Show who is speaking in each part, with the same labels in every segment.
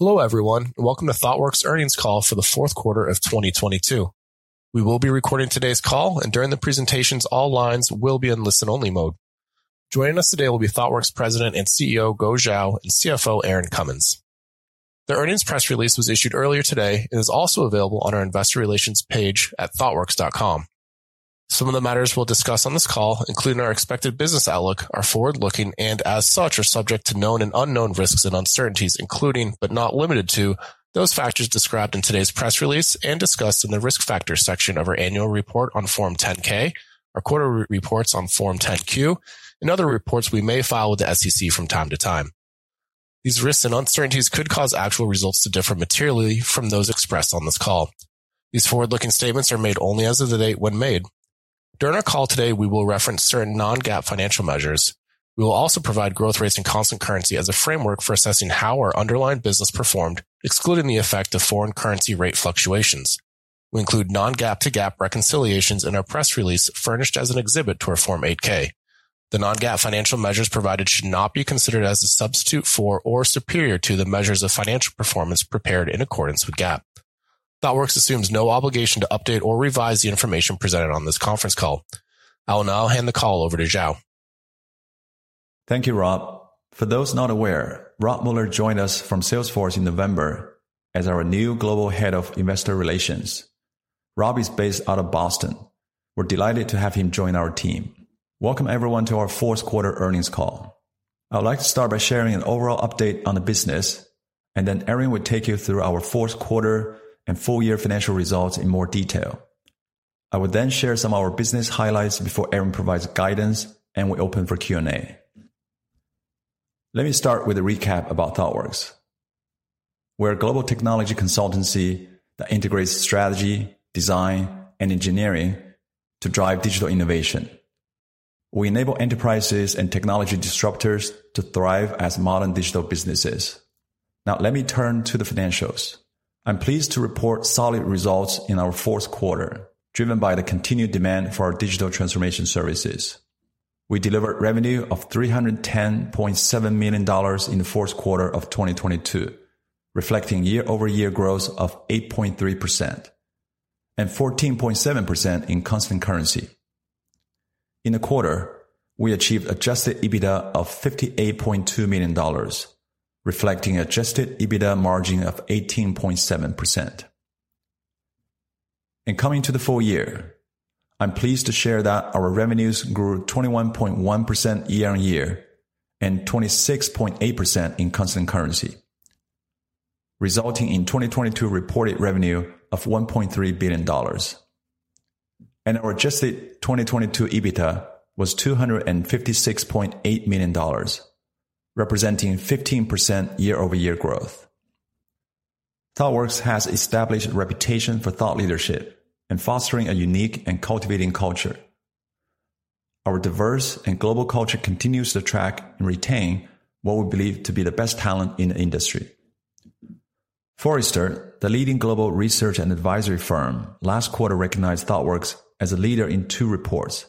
Speaker 1: Hello everyone, welcome to Thoughtworks earnings call for the fourth quarter of 2022. We will be recording today's call, and during the presentations, all lines will be in listen-only mode. Joining us today will be Thoughtworks President and CEO, Guo Xiao, and CFO, Erin Cummins. The earnings press release was issued earlier today and is also available on our investor relations page at thoughtworks.com. Some of the matters we'll discuss on this call, including our expected business outlook, are forward-looking and as such are subject to known and unknown risks and uncertainties, including but not limited to those factors described in today's press release and discussed in the Risk Factors section of our annual report on Form 10-K, our quarter reports on Form 10-Q, and other reports we may file with the SEC from time to time. These risks and uncertainties could cause actual results to differ materially from those expressed on this call. These forward-looking statements are made only as of the date when made. During our call today, we will reference certain non-GAAP financial measures. We will also provide growth rates in constant currency as a framework for assessing how our underlying business performed, excluding the effect of foreign currency rate fluctuations. We include non-GAAP to GAAP reconciliations in our press release furnished as an exhibit to our Form 8-K. The non-GAAP financial measures provided should not be considered as a substitute for or superior to the measures of financial performance prepared in accordance with GAAP. Thoughtworks assumes no obligation to update or revise the information presented on this conference call. I will now hand the call over to Xiao.
Speaker 2: Thank you, Rob. For those not aware, Rob Muller joined us from Salesforce in November as our new Global Head of Investor Relations. Rob is based out of Boston. We're delighted to have him join our team. Welcome everyone to our fourth quarter earnings call. I would like to start by sharing an overall update on the business, and then Erin will take you through our fourth quarter and full year financial results in more detail. I will then share some of our business highlights before Erin provides guidance, and we open for Q&A. Let me start with a recap about Thoughtworks. We're a global technology consultancy that integrates strategy, design, and engineering to drive digital innovation. We enable enterprises and technology disruptors to thrive as modern digital businesses. Now let me turn to the financials. I'm pleased to report solid results in our fourth quarter, driven by the continued demand for our digital transformation services. We delivered revenue of $310.7 million in the fourth quarter of 2022, reflecting year-over-year growth of 8.3% and 14.7% in constant currency. In the quarter, we achieved adjusted EBITDA of $58.2 million, reflecting adjusted EBITDA margin of 18.7%. Coming to the full year, I'm pleased to share that our revenues grew 21.1% year on year and 26.8% in constant currency, resulting in 2022 reported revenue of $1.3 billion. Our adjusted 2022 EBITDA was $256.8 million, representing 15% year-over-year growth. Thoughtworks has established a reputation for thought leadership and fostering a unique and cultivating culture. Our diverse and global culture continues to attract and retain what we believe to be the best talent in the industry. Forrester, the leading global research and advisory firm, last quarter recognized Thoughtworks as a leader in two reports: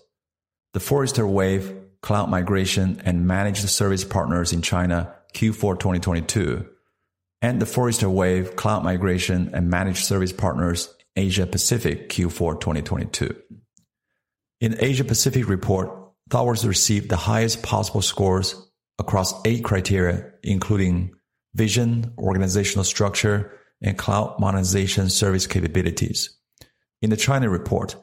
Speaker 2: The Forrester Wave: Cloud Migration and Managed Service Partners in China, Q4 2022, and The Forrester Wave: Cloud Migration and Managed Service Partners, Asia-Pacific, Q4 2022. In the Asia-Pacific report, Thoughtworks received the highest possible scores across eight criteria, including vision, organizational structure, and cloud monetization service capabilities. In the China report,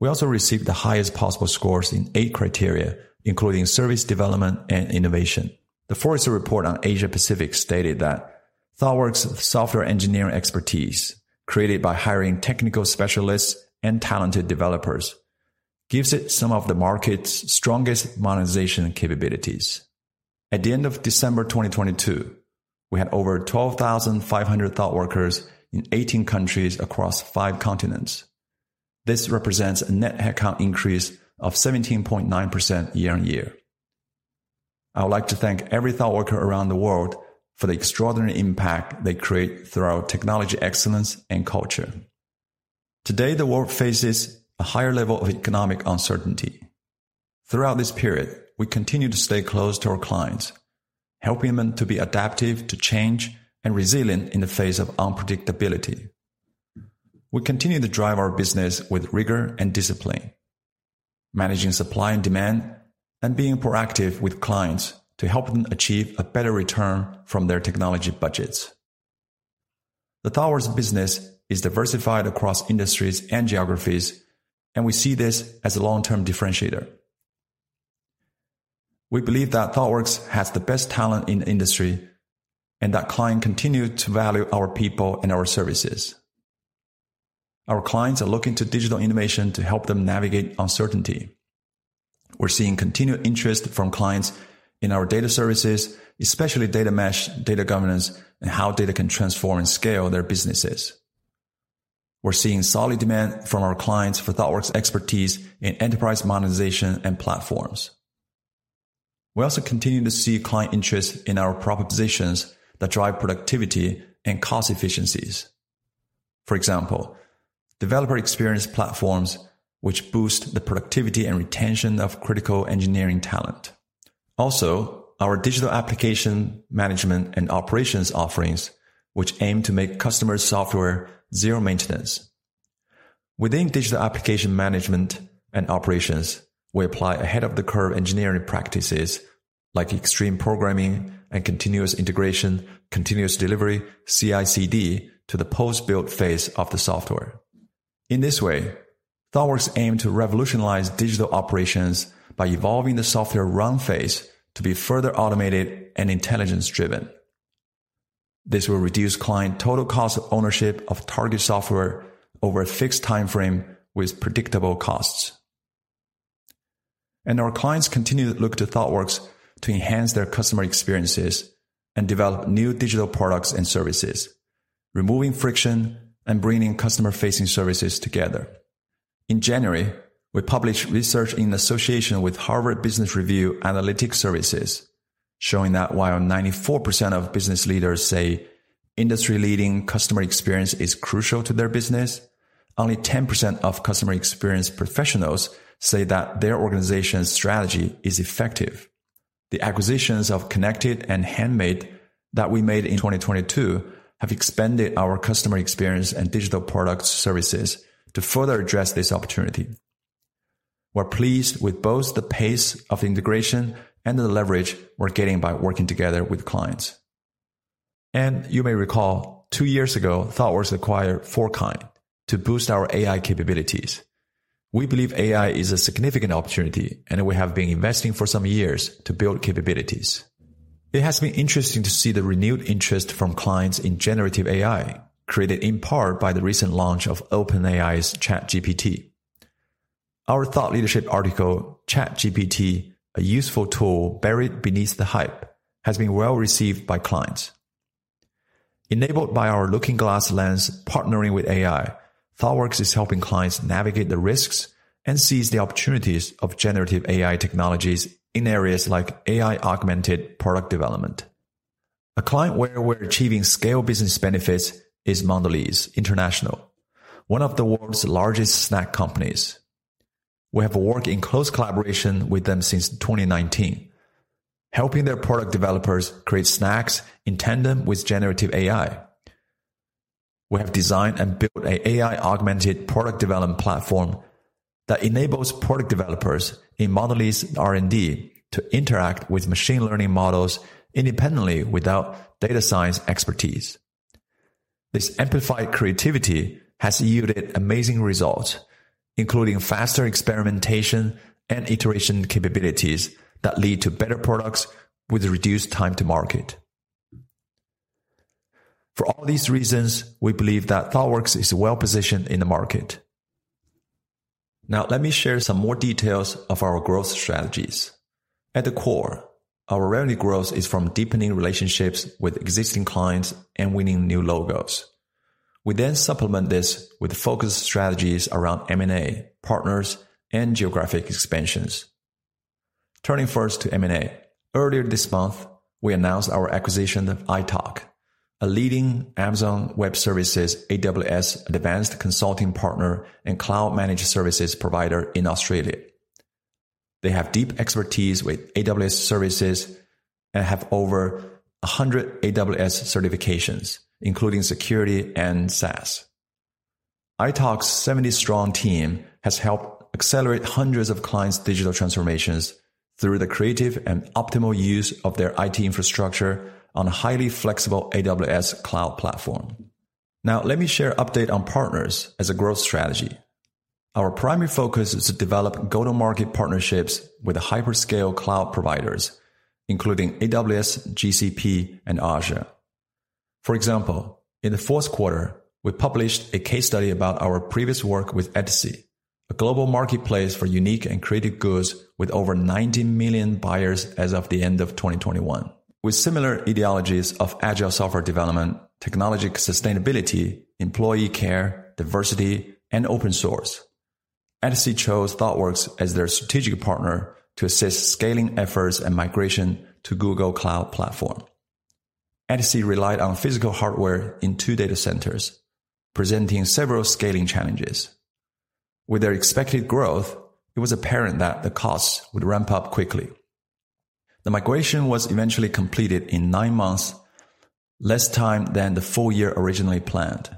Speaker 2: we also received the highest possible scores in eight criteria, including service development and innovation. The Forrester report on Asia-Pacific stated that Thoughtworks' software engineering expertise, created by hiring technical specialists and talented developers, gives it some of the market's strongest monetization capabilities. At the end of December 2022, we had over 12,500 Thoughtworkers in 18 countries across five continents. This represents a net headcount increase of 17.9% year-over-year. I would like to thank every Thoughtworker around the world for the extraordinary impact they create through our technology excellence and culture. Today, the world faces a higher level of economic uncertainty. Throughout this period, we continue to stay close to our clients, helping them to be adaptive to change and resilient in the face of unpredictability. We continue to drive our business with rigor and discipline, managing supply and demand and being proactive with clients to help them achieve a better return from their technology budgets. The Thoughtworks business is diversified across industries and geographies, we see this as a long-term differentiator. We believe that Thoughtworks has the best talent in the industry and that client continue to value our people and our services. Our clients are looking to digital innovation to help them navigate uncertainty. We're seeing continued interest from clients in our data services, especially data mesh, data governance, and how data can transform and scale their businesses. We're seeing solid demand from our clients for Thoughtworks expertise in enterprise monetization and platforms. We also continue to see client interest in our proper positions that drive productivity and cost efficiencies. For example, developer experience platforms which boost the productivity and retention of critical engineering talent. Also, our digital application management and operations offerings, which aim to make customer software zero maintenance. Within digital application management and operations, we apply ahead of the curve engineering practices like extreme programming and continuous integration, continuous delivery, CICD, to the post-build phase of the software. In this way, Thoughtworks aim to revolutionize digital operations by evolving the software run phase to be further automated and intelligence-driven. This will reduce client total cost of ownership of target software over a fixed time frame with predictable costs. Our clients continue to look to Thoughtworks to enhance their customer experiences and develop new digital products and services, removing friction and bringing customer-facing services together. In January, we published research in association with Harvard Business Review Analytic Services, showing that while 94% of business leaders say industry-leading customer experience is crucial to their business, only 10% of customer experience professionals say that their organization's strategy is effective. The acquisitions of Connected and Handmade that we made in 2022 have expanded our customer experience and digital product services to further address this opportunity. We're pleased with both the pace of integration and the leverage we're getting by working together with clients. You may recall, two years ago, Thoughtworks acquired Fourkind to boost our AI capabilities. We believe AI is a significant opportunity, and we have been investing for some years to build capabilities. It has been interesting to see the renewed interest from clients in generative AI, created in part by the recent launch of OpenAI's ChatGPT. Our thought leadership article, ChatGPT, a useful tool buried beneath the hype, has been well received by clients. Enabled by our Looking Glass lens partnering with AI, Thoughtworks is helping clients navigate the risks and seize the opportunities of generative AI technologies in areas like AI-augmented product development. A client where we're achieving scale business benefits is Mondelēz International, one of the world's largest snack companies. We have worked in close collaboration with them since 2019, helping their product developers create snacks in tandem with generative AI. We have designed and built a AI-augmented product development platform that enables product developers in Mondelēz R&D to interact with machine learning models independently without data science expertise. This amplified creativity has yielded amazing results, including faster experimentation and iteration capabilities that lead to better products with reduced time to market. For all these reasons, we believe that Thoughtworks is well positioned in the market. Let me share some more details of our growth strategies. At the core, our revenue growth is from deepening relationships with existing clients and winning new logos. We then supplement this with focused strategies around M&A, partners, and geographic expansions. Turning first to M&A, earlier this month, we announced our acquisition of Itoc, a leading Amazon Web Services, AWS, advanced consulting partner and cloud managed services provider in Australia. They have deep expertise with AWS services and have over 100 AWS certifications, including security and SaaS. Itoc's 70 strong team has helped accelerate hundreds of clients' digital transformations through the creative and optimal use of their IT infrastructure on highly flexible AWS Cloud platform. Let me share update on partners as a growth strategy. Our primary focus is to develop go-to-market partnerships with the hyperscale cloud providers, including AWS, GCP, and Azure. For example, in the fourth quarter, we published a case study about our previous work with Etsy, a global marketplace for unique and creative goods with over 90 million buyers as of the end of 2021. With similar ideologies of agile software development, technology sustainability, employee care, diversity, and open source, Etsy chose Thoughtworks as their strategic partner to assist scaling efforts and migration to Google Cloud Platform. Etsy relied on physical hardware in two data centers, presenting several scaling challenges. With their expected growth, it was apparent that the costs would ramp up quickly. The migration was eventually completed in nine months, less time than the one year originally planned,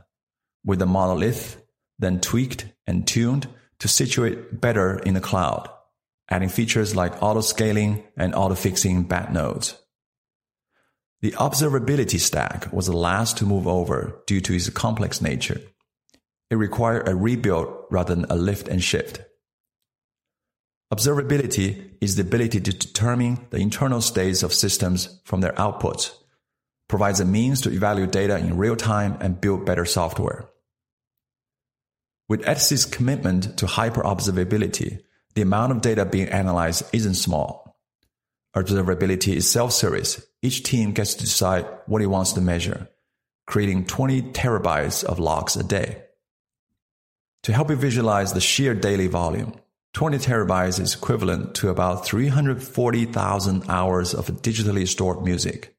Speaker 2: with the monolith then tweaked and tuned to situate better in the cloud, adding features like auto-scaling and auto-fixing bad nodes. The observability stack was the last to move over due to its complex nature. It required a rebuild rather than a lift and shift. Observability is the ability to determine the internal states of systems from their outputs, provides a means to evaluate data in real time and build better software. With Etsy's commitment to hyper observability, the amount of data being analyzed isn't small. Our observability is self-service. Each team gets to decide what it wants to measure, creating 20 terabytes of logs a day. To help you visualize the sheer daily volume, 20 TB is equivalent to about 340,000 hours of digitally stored music.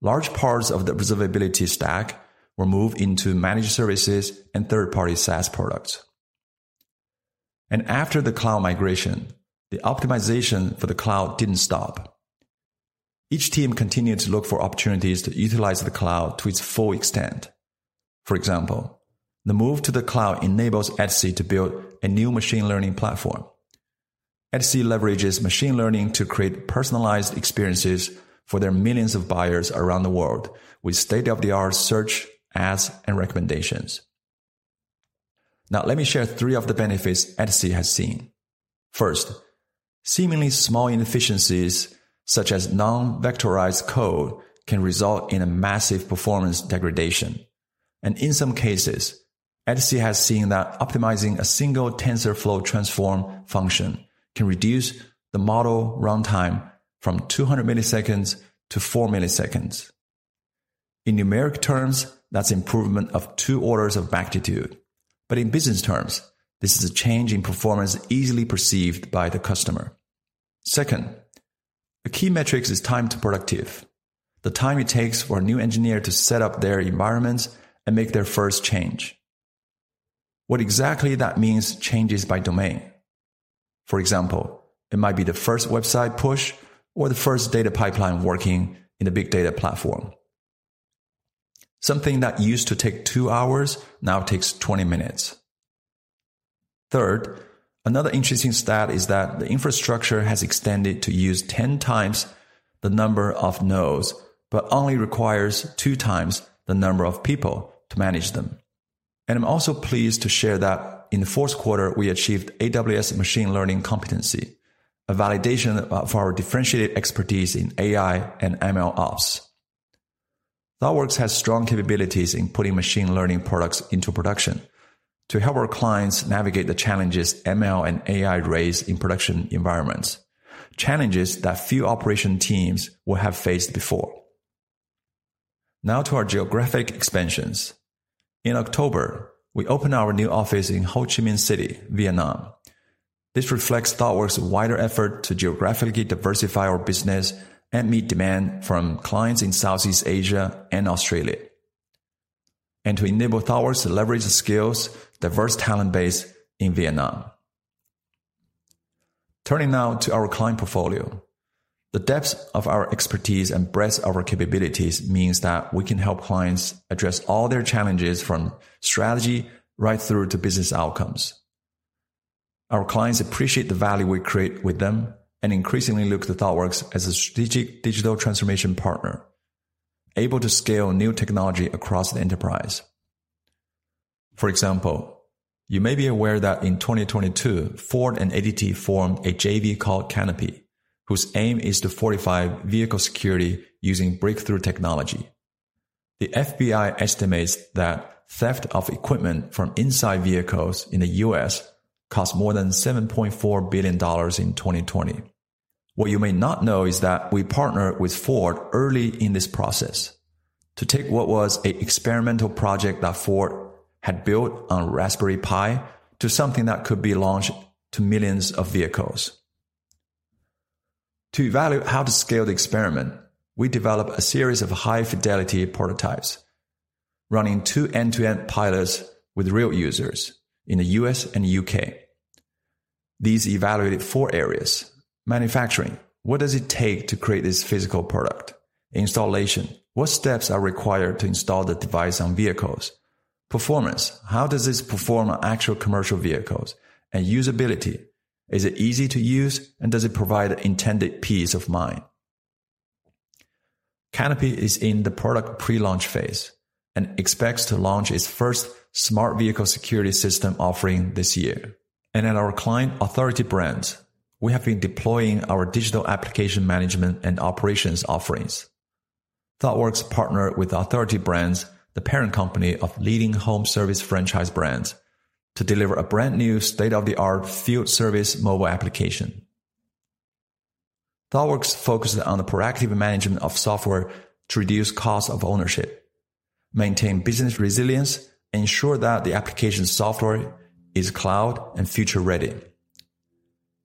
Speaker 2: Large parts of the observability stack were moved into managed services and third-party SaaS products. After the cloud migration, the optimization for the cloud didn't stop. Each team continued to look for opportunities to utilize the cloud to its full extent. For example, the move to the cloud enables Etsy to build a new machine learning platform. Etsy leverages machine learning to create personalized experiences for their millions of buyers around the world with state-of-the-art search, ads, and recommendations. Let me share three of the benefits Etsy has seen. First, seemingly small inefficiencies, such as non-vectorized code, can result in a massive performance degradation. In some cases, Etsy has seen that optimizing a single TensorFlow transform function can reduce the model runtime from 200 milliseconds to 4 milliseconds. In numeric terms, that's improvement of two orders of magnitude, but in business terms, this is a change in performance easily perceived by the customer. Second, a key metric is time to productive, the time it takes for a new engineer to set up their environments and make their first change. What exactly that means changes by domain. For example, it might be the first website push or the first data pipeline working in a big data platform. Something that used to take two hours now takes 20 minutes. Third, another interesting stat is that the infrastructure has extended to use 10x the number of nodes but only requires two times the number of people to manage them. I'm also pleased to share that in the fourth quarter, we achieved AWS machine learning competency, a validation of our differentiated expertise in AI and MLOps. Thoughtworks has strong capabilities in putting machine learning products into production to help our clients navigate the challenges ML and AI raise in production environments, challenges that few operation teams will have faced before. Now to our geographic expansions. In October, we opened our new office in Ho Chi Minh City, Vietnam. This reflects Thoughtworks' wider effort to geographically diversify our business and meet demand from clients in Southeast Asia and Australia, and to enable Thoughtworks to leverage the skills, diverse talent base in Vietnam. Turning now to our client portfolio. The depth of our expertise and breadth of our capabilities means that we can help clients address all their challenges from strategy right through to business outcomes. Our clients appreciate the value we create with them and increasingly look to Thoughtworks as a strategic digital transformation partner, able to scale new technology across the enterprise. You may be aware that in 2022, Ford and ADT formed a JV called Canopy, whose aim is to fortify vehicle security using breakthrough technology. The FBI estimates that theft of equipment from inside vehicles in the US cost more than $7.4 billion in 2020. What you may not know is that we partnered with Ford early in this process to take what was an experimental project that Ford had built on Raspberry Pi to something that could be launched to millions of vehicles. To evaluate how to scale the experiment, we developed a series of high-fidelity prototypes running two end-to-end pilots with real users in the U.S. and U.K. These evaluated four areas: manufacturing, what does it take to create this physical product? Installation, what steps are required to install the device on vehicles? Performance, how does this perform on actual commercial vehicles? Usability, is it easy to use, and does it provide the intended peace of mind? Canopy is in the product pre-launch phase and expects to launch its first smart vehicle security system offering this year. At our client, Authority Brands, we have been deploying our digital application management and operations offerings. Thoughtworks partnered with Authority Brands, the parent company of leading home service franchise brands, to deliver a brand new state-of-the-art field service mobile application. Thoughtworks focuses on the proactive management of software to reduce cost of ownership, maintain business resilience, ensure that the application software is cloud and future ready.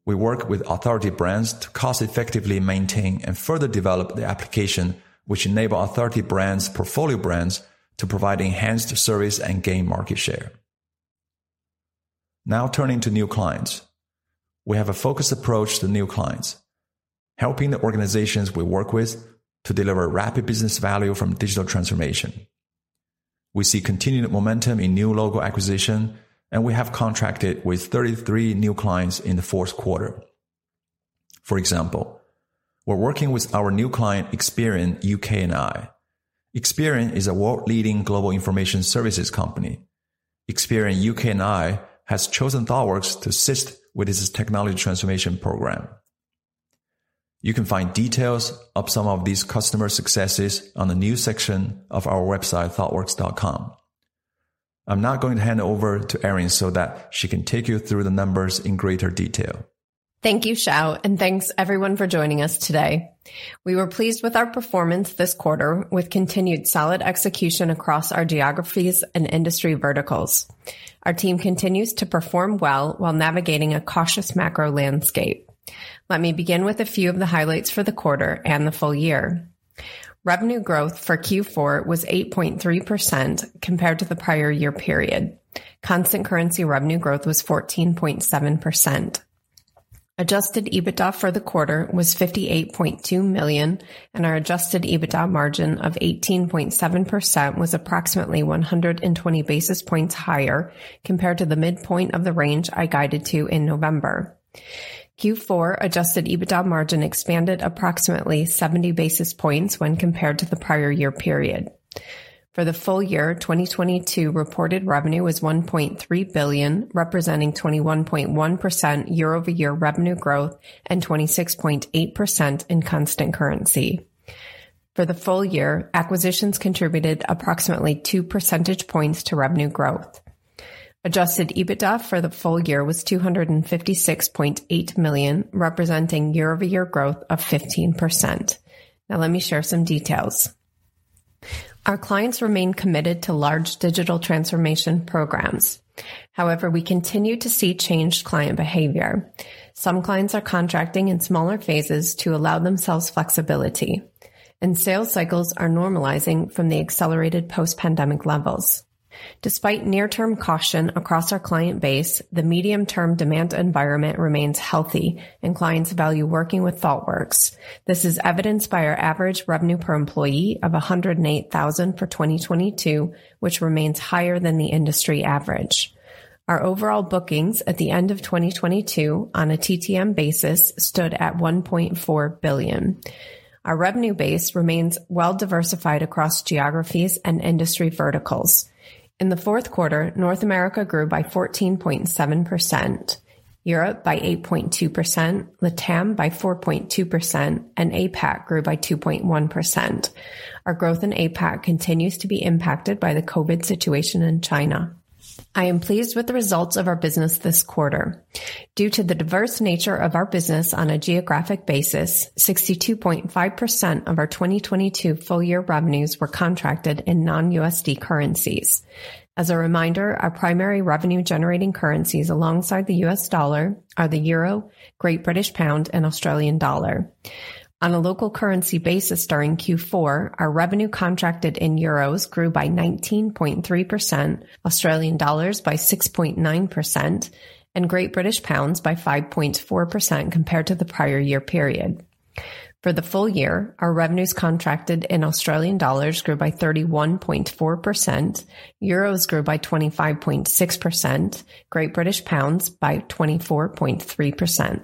Speaker 2: We work with Authority Brands to cost effectively maintain and further develop the application which enable Authority Brands portfolio brands to provide enhanced service and gain market share. Turning to new clients. We have a focused approach to new clients, helping the organizations we work with to deliver rapid business value from digital transformation. We see continued momentum in new logo acquisition, and we have contracted with 33 new clients in the fourth quarter. For example, we're working with our new client Experian UK&I. Experian is a world leading global information services company. Experian UK&I has chosen Thoughtworks to assist with its technology transformation program. You can find details of some of these customer successes on the news section of our website, thoughtworks.com. I'm now going to hand over to Erin so that she can take you through the numbers in greater detail.
Speaker 3: Thank you, Xiao, thanks everyone for joining us today. We were pleased with our performance this quarter with continued solid execution across our geographies and industry verticals. Our team continues to perform well while navigating a cautious macro landscape. Let me begin with a few of the highlights for the quarter and the full year. Revenue growth for Q4 was 8.3% compared to the prior year period. Constant currency revenue growth was 14.7%. Adjusted EBITDA for the quarter was $58.2 million, our adjusted EBITDA margin of 18.7% was approximately 120 basis points higher compared to the midpoint of the range I guided to in November. Q4 adjusted EBITDA margin expanded approximately 70 basis points when compared to the prior year period. For the full year, 2022 reported revenue was $1.3 billion, representing 21.1% year-over-year revenue growth and 26.8% in constant currency. For the full year, acquisitions contributed approximately 2 percentage points to revenue growth. Adjusted EBITDA for the full year was $256.8 million, representing 15% year-over-year growth. Let me share some details. Our clients remain committed to large digital transformation programs. However, we continue to see changed client behavior. Some clients are contracting in smaller phases to allow themselves flexibility, and sales cycles are normalizing from the accelerated post-pandemic levels. Despite near-term caution across our client base, the medium-term demand environment remains healthy and clients value working with Thoughtworks. This is evidenced by our average revenue per employee of $108,000 for 2022, which remains higher than the industry average. Our overall bookings at the end of 2022 on a TTM basis stood at $1.4 billion. Our revenue base remains well diversified across geographies and industry verticals. In the fourth quarter, North America grew by 14.7%, Europe by 8.2%, LATAM by 4.2%, and APAC grew by 2.1%. Our growth in APAC continues to be impacted by the COVID situation in China. I am pleased with the results of our business this quarter. Due to the diverse nature of our business on a geographic basis, 62.5% of our 2022 full year revenues were contracted in non-USD currencies. As a reminder, our primary revenue generating currencies alongside the US dollar are the euro, great British pound, and Australian dollar. On a local currency basis during Q4, our revenue contracted in EUR grew by 19.3%, AUD by 6.9%, and GBP by 5.4% compared to the prior year period. For the full year, our revenues contracted in AUD grew by 31.4%, EUR grew by 25.6%, GBP by 24.3%.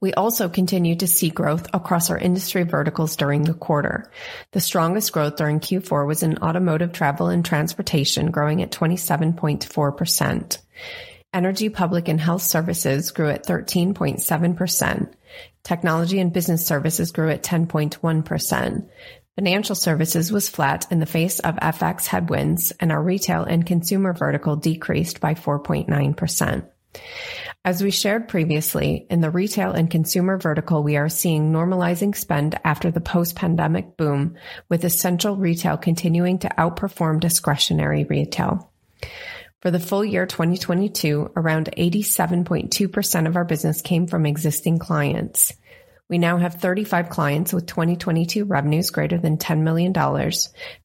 Speaker 3: We also continued to see growth across our industry verticals during the quarter. The strongest growth during Q4 was in automotive travel and transportation, growing at 27.4%. Energy, public and health services grew at 13.7%. Technology and business services grew at 10.1%. Financial services was flat in the face of FX headwinds, our retail and consumer vertical decreased by 4.9%. As we shared previously, in the retail and consumer vertical, we are seeing normalizing spend after the post-pandemic boom, with essential retail continuing to outperform discretionary retail. For the full year 2022, around 87.2% of our business came from existing clients. We now have 35 clients with 2022 revenues greater than $10 million,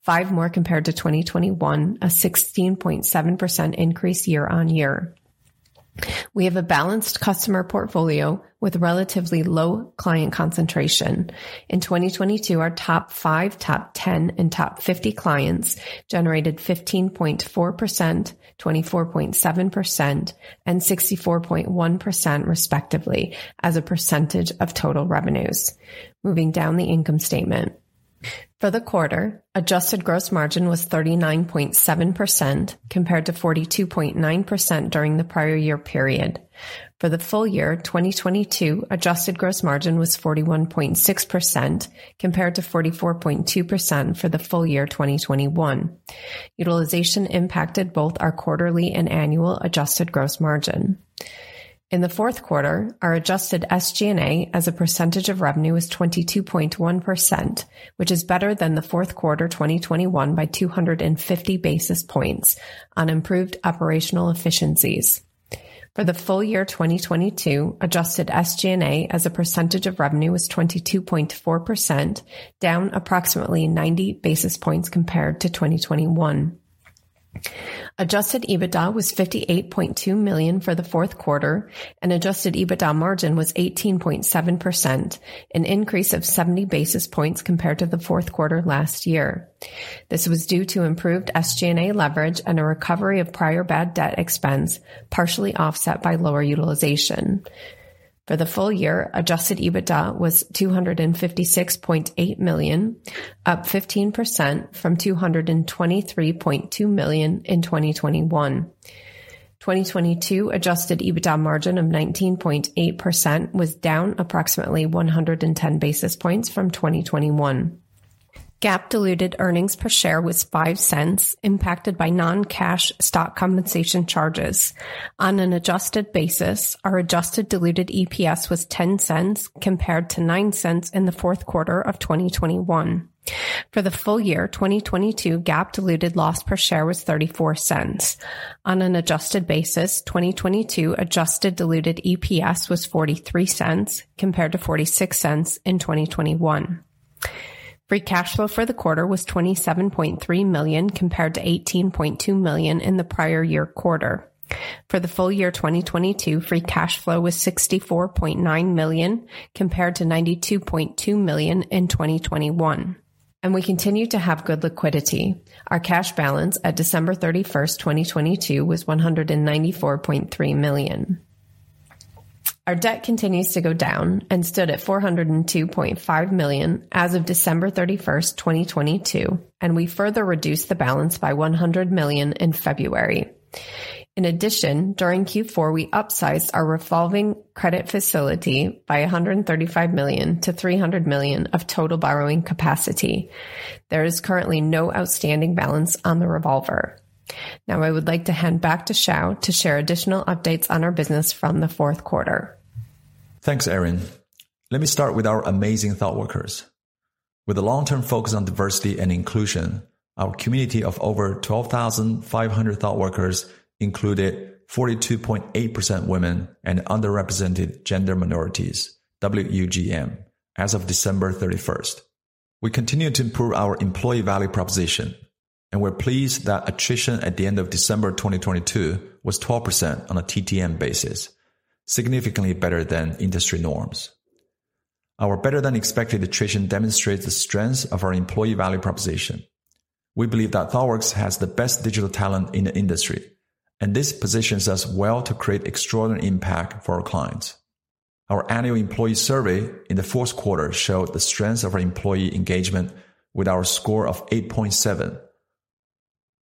Speaker 3: five more compared to 2021, a 16.7% increase year-over-year. We have a balanced customer portfolio with relatively low client concentration. In 2022, our top five, top 10, and top 50 clients generated 15.4%, 24.7%, and 64.1%, respectively, as a percentage of total revenues. Moving down the income statement. For the quarter, adjusted gross margin was 39.7% compared to 42.9% during the prior year period. For the full year 2022, adjusted gross margin was 41.6% compared to 44.2% for the full year 2021. Utilization impacted both our quarterly and annual adjusted gross margin. In the fourth quarter, our adjusted SG&A as a percentage of revenue was 22.1%, which is better than the fourth quarter 2021 by 250 basis points on improved operational efficiencies. For the full year 2022, adjusted SG&A as a percentage of revenue was 22.4%, down approximately 90 basis points compared to 2021. Adjusted EBITDA was $58.2 million for the fourth quarter, and adjusted EBITDA margin was 18.7%, an increase of 70 basis points compared to the fourth quarter last year. This was due to improved SG&A leverage and a recovery of prior bad debt expense, partially offset by lower utilization. For the full year, adjusted EBITDA was $256.8 million, up 15% from $223.2 million in 2021. 2022 adjusted EBITDA margin of 19.8% was down approximately 110 basis points from 2021. GAAP diluted earnings per share was $0.05, impacted by non-cash stock compensation charges. On an adjusted basis, our adjusted diluted EPS was $0.10 compared to $0.09 in the fourth quarter of 2021. For the full year 2022, GAAP diluted loss per share was $0.34. On an adjusted basis, 2022 adjusted diluted EPS was $0.43 compared to $0.46 in 2021. Free cash flow for the quarter was $27.3 million compared to $18.2 million in the prior year quarter. For the full year 2022, free cash flow was $64.9 million compared to $92.2 million in 2021. We continue to have good liquidity. Our cash balance at December 31st, 2022 was $194.3 million. Our debt continues to go down and stood at $402.5 million as of December 31st, 2022, and we further reduced the balance by $100 million in February. In addition, during Q4, we upsized our revolving credit facility by $135 million to $300 million of total borrowing capacity. There is currently no outstanding balance on the revolver. Now I would like to hand back to Xiao to share additional updates on our business from the fourth quarter.
Speaker 2: Thanks, Erin. Let me start with our amazing ThoughtWorkers. With a long-term focus on diversity and inclusion, our community of over 12,500 ThoughtWorkers included 42.8% women and underrepresented gender minorities, WUGM, as of December 31st. We continue to improve our employee value proposition, and we're pleased that attrition at the end of December 2022 was 12% on a TTM basis, significantly better than industry norms. Our better than expected attrition demonstrates the strength of our employee value proposition. We believe that Thoughtworks has the best digital talent in the industry, and this positions us well to create extraordinary impact for our clients. Our annual employee survey in the fourth quarter showed the strength of our employee engagement with our score of 8.7,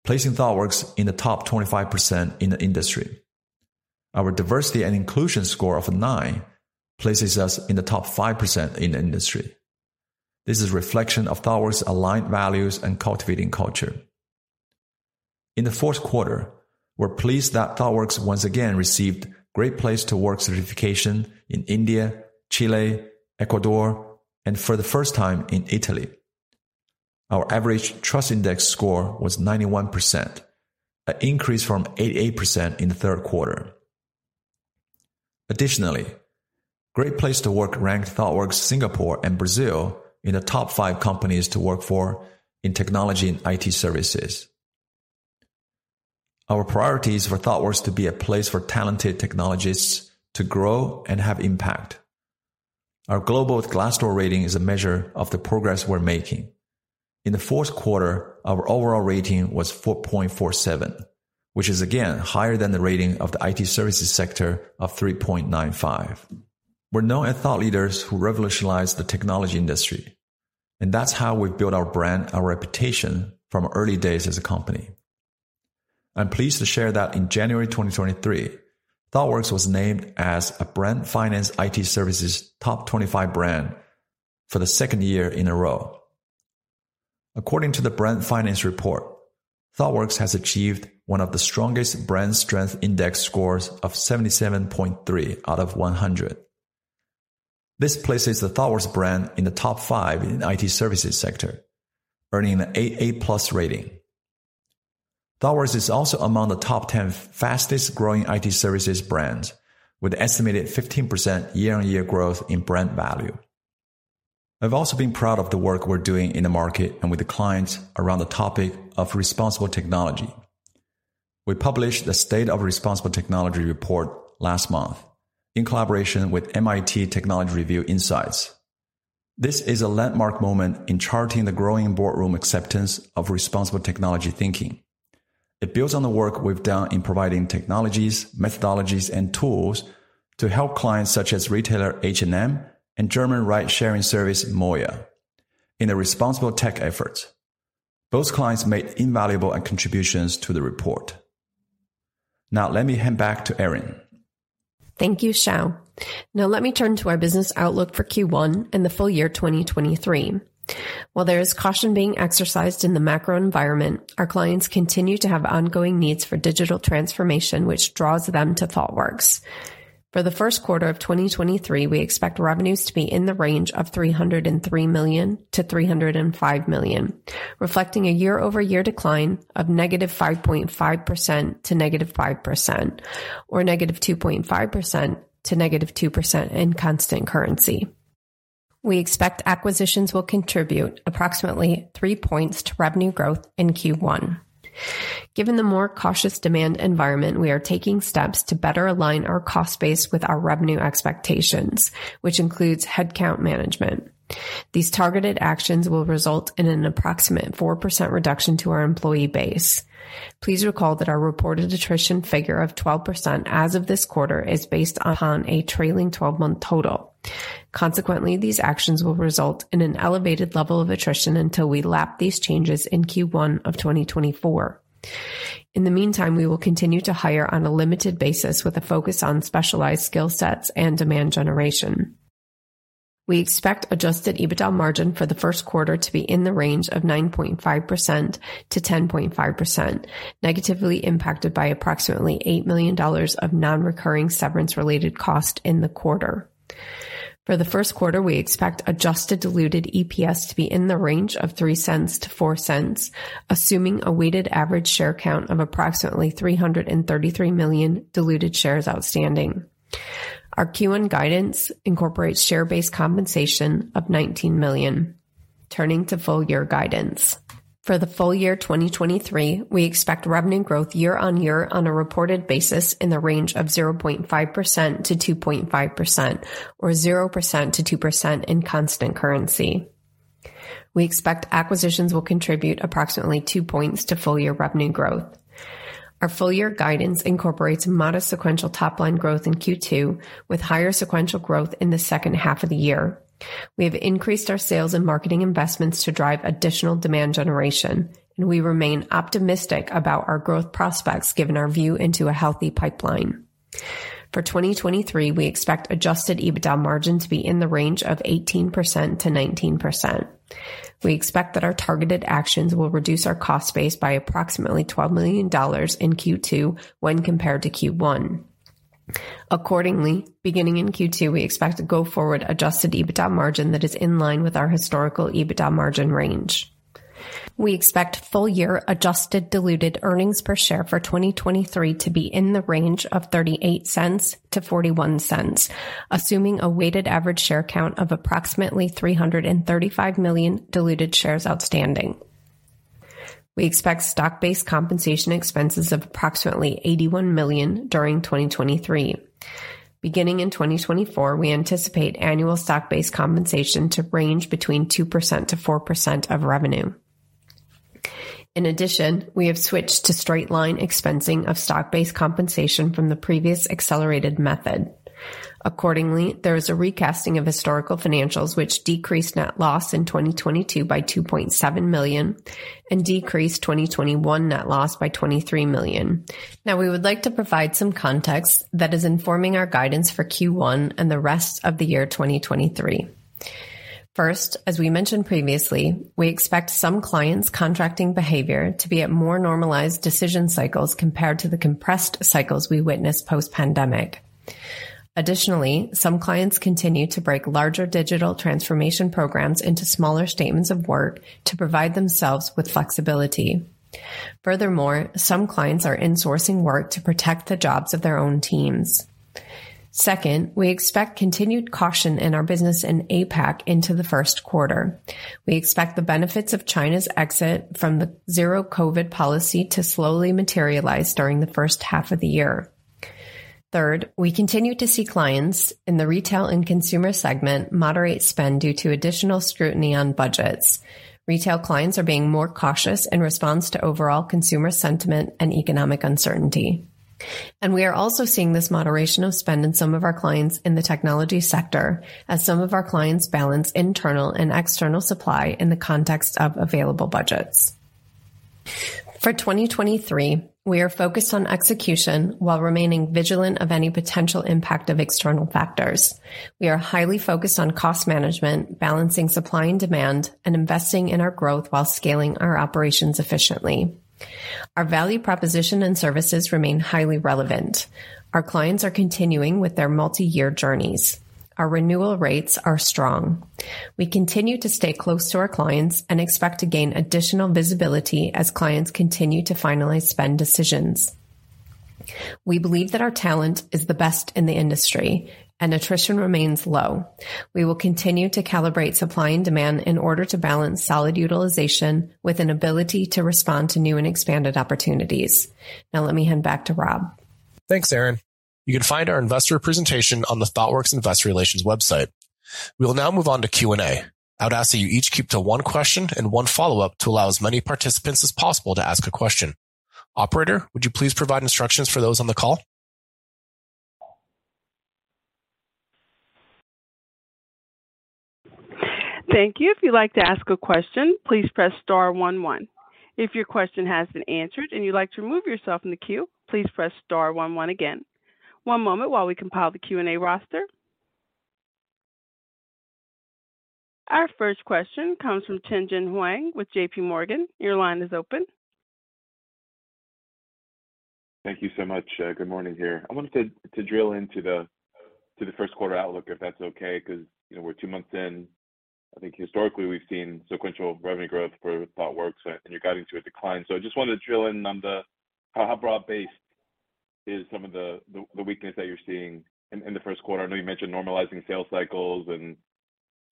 Speaker 2: placing Thoughtworks in the top 25% in the industry. Our diversity and inclusion score of nine places us in the top 5% in the industry. This is reflection of Thoughtworks' aligned values and cultivating culture. In the fourth quarter, we're pleased that Thoughtworks once again received Great Place to Work certification in India, Chile, Ecuador, and for the first time in Italy. Our average trust index score was 91%, an increase from 88% in the third quarter. Great Place to Work ranked Thoughtworks Singapore and Brazil in the top five companies to work for in technology and IT services. Our priority is for Thoughtworks to be a place for talented technologists to grow and have impact. Our global Glassdoor rating is a measure of the progress we're making. In the fourth quarter, our overall rating was 4.47, which is again higher than the rating of the IT services sector of 3.95. We're known as thought leaders who revolutionize the technology industry, and that's how we've built our brand, our reputation from early days as a company. I'm pleased to share that in January 2023, Thoughtworks was named as a Brand Finance IT Services top 25 brand for the second year in a row. According to the Brand Finance report, Thoughtworks has achieved one of the strongest brand strength index scores of 77.3 out of 100. This places the Thoughtworks brand in the top five in IT services sector, earning an AA+ rating. Thoughtworks is also among the top 10 fastest growing IT services brands with estimated 15% year-on-year growth in brand value. I've also been proud of the work we're doing in the market and with the clients around the topic of responsible technology. We published the State of Responsible Technology report last month in collaboration with MIT Technology Review Insights. This is a landmark moment in charting the growing boardroom acceptance of responsible technology thinking. It builds on the work we've done in providing technologies, methodologies, and tools to help clients such as retailer H&M and German ride-sharing service MOIA in their responsible tech efforts. Both clients made invaluable contributions to the report. Let me hand back to Erin.
Speaker 3: Thank you, Xiao. Let me turn to our business outlook for Q1 and the full year 2023. While there is caution being exercised in the macro environment, our clients continue to have ongoing needs for digital transformation, which draws them to Thoughtworks. For the first quarter of 2023, we expect revenues to be in the range of $303 million-$305 million, reflecting a year-over-year decline of -5.5%--5% or -2.5%--2% in constant currency. We expect acquisitions will contribute approximately three points to revenue growth in Q1. Given the more cautious demand environment, we are taking steps to better align our cost base with our revenue expectations, which includes headcount management. These targeted actions will result in an approximate 4% reduction to our employee base. Please recall that our reported attrition figure of 12% as of this quarter is based upon a trailing twelve-month total. Consequently, these actions will result in an elevated level of attrition until we lap these changes in Q1 of 2024. In the meantime, we will continue to hire on a limited basis with a focus on specialized skill sets and demand generation. We expect adjusted EBITDA margin for the first quarter to be in the range of 9.5%-10.5%, negatively impacted by approximately $8 million of non-recurring severance related cost in the quarter. For the first quarter, we expect adjusted diluted EPS to be in the range of $0.03-$0.04, assuming a weighted average share count of approximately 333 million diluted shares outstanding. Our Q1 guidance incorporates share-based compensation of $19 million. Turning to full year guidance. For the full year 2023, we expect revenue growth year-over-year on a reported basis in the range of 0.5%-2.5% or 0%-2% in constant currency. We expect acquisitions will contribute approximately two points to full year revenue growth. Our full year guidance incorporates modest sequential top line growth in Q2 with higher sequential growth in the H2 of the year. We have increased our sales and marketing investments to drive additional demand generation, and we remain optimistic about our growth prospects given our view into a healthy pipeline. For 2023, we expect adjusted EBITDA margin to be in the range of 18%-19%. We expect that our targeted actions will reduce our cost base by approximately $12 million in Q2 when compared to Q1. Beginning in Q2, we expect to go forward adjusted EBITDA margin that is in line with our historical EBITDA margin range. We expect full year adjusted diluted earnings per share for 2023 to be in the range of $0.38-$0.41, assuming a weighted average share count of approximately 335 million diluted shares outstanding. We expect stock-based compensation expenses of approximately $81 million during 2023. Beginning in 2024, we anticipate annual stock-based compensation to range between 2%-4% of revenue. We have switched to straight-line expensing of stock-based compensation from the previous accelerated method. There is a recasting of historical financials which decreased net loss in 2022 by $2.7 million and decreased 2021 net loss by $23 million. Now we would like to provide some context that is informing our guidance for Q1 and the rest of the year 2023. First, as we mentioned previously, we expect some clients contracting behavior to be at more normalized decision cycles compared to the compressed cycles we witnessed post-pandemic. Additionally, some clients continue to break larger digital transformation programs into smaller Statements of Work to provide themselves with flexibility. Furthermore, some clients are insourcing work to protect the jobs of their own teams. Second, we expect continued caution in our business in APAC into the first quarter. We expect the benefits of China's exit from the zero COVID policy to slowly materialize during the 1st half of the year. Third, we continue to see clients in the retail and consumer segment moderate spend due to additional scrutiny on budgets. Retail clients are being more cautious in response to overall consumer sentiment and economic uncertainty. We are also seeing this moderation of spend in some of our clients in the technology sector as some of our clients balance internal and external supply in the context of available budgets. For 2023, we are focused on execution while remaining vigilant of any potential impact of external factors. We are highly focused on cost management, balancing supply and demand, and investing in our growth while scaling our operations efficiently. Our value proposition and services remain highly relevant. Our clients are continuing with their multi-year journeys. Our renewal rates are strong. We continue to stay close to our clients and expect to gain additional visibility as clients continue to finalize spend decisions. We believe that our talent is the best in the industry and attrition remains low. We will continue to calibrate supply and demand in order to balance solid utilization with an ability to respond to new and expanded opportunities. Now let me hand back to Rob.
Speaker 1: Thanks, Erin. You can find our investor presentation on the Thoughtworks Investor Relations website. We will now move on to Q&A. I would ask that you each keep to one question and one follow-up to allow as many participants as possible to ask a question. Operator, would you please provide instructions for those on the call?
Speaker 4: Thank you. If you'd like to ask a question, please press star one one. If your question has been answered and you'd like to remove yourself from the queue, please press Star one one again. One moment while we compile the Q&A roster. Our first question comes from Tien-Tsin Huang with JPMorgan. Your line is open.
Speaker 5: Thank you so much. Good morning here. I wanted to drill into the first quarter outlook, if that's okay, 'cause, you know, we're two months in. I think historically we've seen sequential revenue growth for Thoughtworks and you're guiding to a decline. I just wanted to drill in on the how broad-based is some of the weakness that you're seeing in the 1st quarter. I know you mentioned normalizing sales cycles and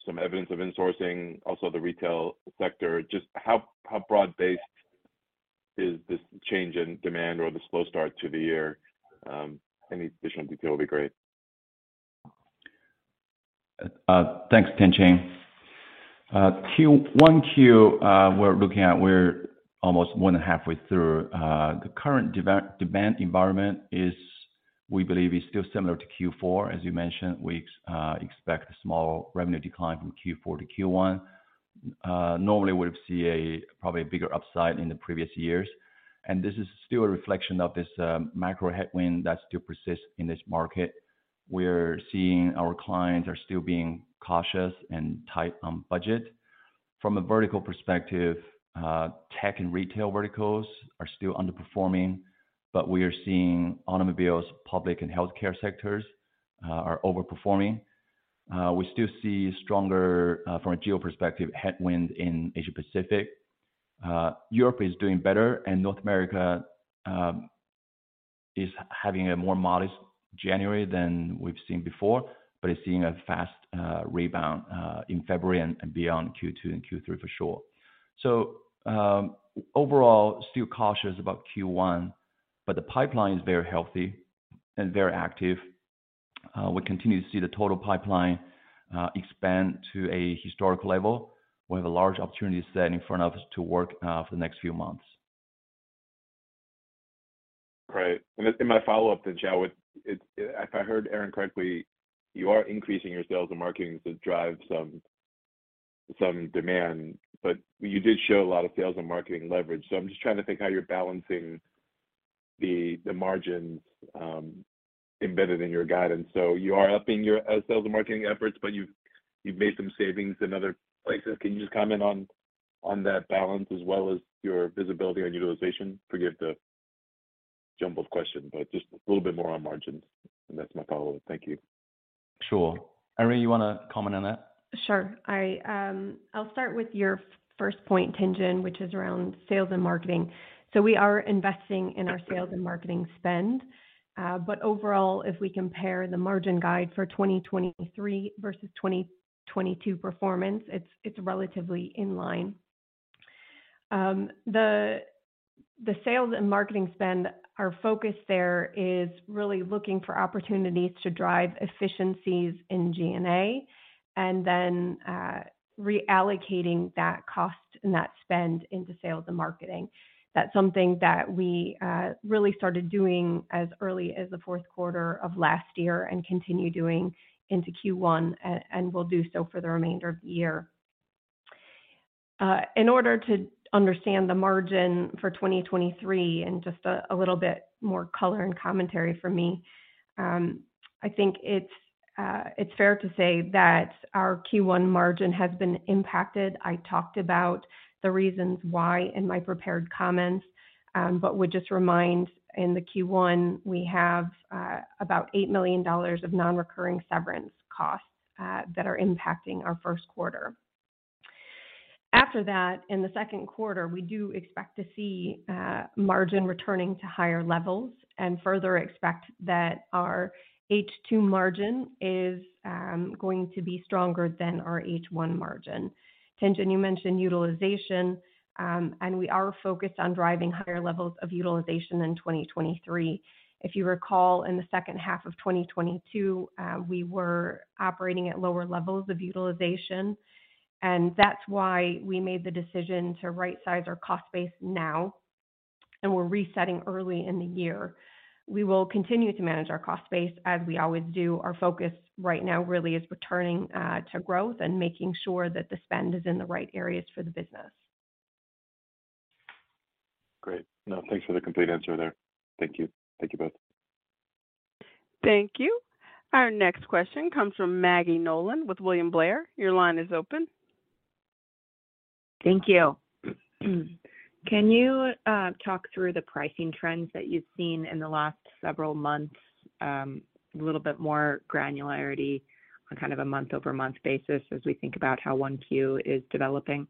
Speaker 5: some evidence of insourcing, also the retail sector. Just how broad-based is this change in demand or the slow start to the year? Any additional detail will be great.
Speaker 2: Thanks, Tien-Tsin. Q1, we're looking at, we're almost one and a halfway through. The current demand environment is. We believe it's still similar to Q4, as you mentioned. We expect a small revenue decline from Q4 to Q1. Normally we'd see a probably bigger upside in the previous years. This is still a reflection of this macro headwind that still persists in this market. We're seeing our clients are still being cautious and tight on budget. From a vertical perspective, tech and retail verticals are still underperforming. We are seeing automobiles, public, and healthcare sectors are overperforming. We still see stronger, from a geo perspective, headwind in Asia-Pacific. Europe is doing better, and North America is having a more modest January than we've seen before, but is seeing a fast rebound in February and beyond Q2 and Q3 for sure. Overall still cautious about Q1, but the pipeline is very healthy and very active. We continue to see the total pipeline expand to a historic level. We have a large opportunity set in front of us to work for the next few months.
Speaker 5: Great. In my follow-up then, Xiao, If I heard Erin correctly, you are increasing your sales and marketing to drive some demand, but you did show a lot of sales and marketing leverage. I'm just trying to think how you're balancing the margins embedded in your guidance. You are upping your sales and marketing efforts, but you've made some savings in other places. Can you just comment on that balance as well as your visibility on utilization? Forgive the jumbled question, but just a little bit more on margins. That's my follow-up. Thank you.
Speaker 2: Sure. Erin, you wanna comment on that?
Speaker 3: Sure. I'll start with your first point, Tien-Tsin, which is around sales and marketing. We are investing in our sales and marketing spend. Overall, if we compare the margin guide for 2023 versus 2022 performance, it's relatively in line. The sales and marketing spend, our focus there is really looking for opportunities to drive efficiencies in G&A and then reallocating that cost and that spend into sales and marketing. That's something that we really started doing as early as the fourth quarter of last year and continue doing into Q1 and will do so for the remainder of the year. In order to understand the margin for 2023, and just a little bit more color and commentary from me, I think it's fair to say that our Q1 margin has been impacted. I talked about the reasons why in my prepared comments, but would just remind in the Q1, we have about $8 million of non-recurring severance costs that are impacting our first quarter. After that, in the second quarter, we do expect to see margin returning to higher levels and further expect that our H2 margin is going to be stronger than our H1 margin. Tien-Tsin, you mentioned utilization, and we are focused on driving higher levels of utilization in 2023. If you recall, in the H2 of 2022, we were operating at lower levels of utilization, and that's why we made the decision to right-size our cost base now, and we're resetting early in the year. We will continue to manage our cost base as we always do. Our focus right now really is returning to growth and making sure that the spend is in the right areas for the business.
Speaker 5: Great. No, thanks for the complete answer there. Thank you. Thank you both.
Speaker 4: Thank you. Our next question comes from Maggie Nolan with William Blair. Your line is open.
Speaker 6: Thank you. Can you talk through the pricing trends that you've seen in the last several months, a little bit more granularity on kind of a month-over-month basis as we think about how 1Q is developing?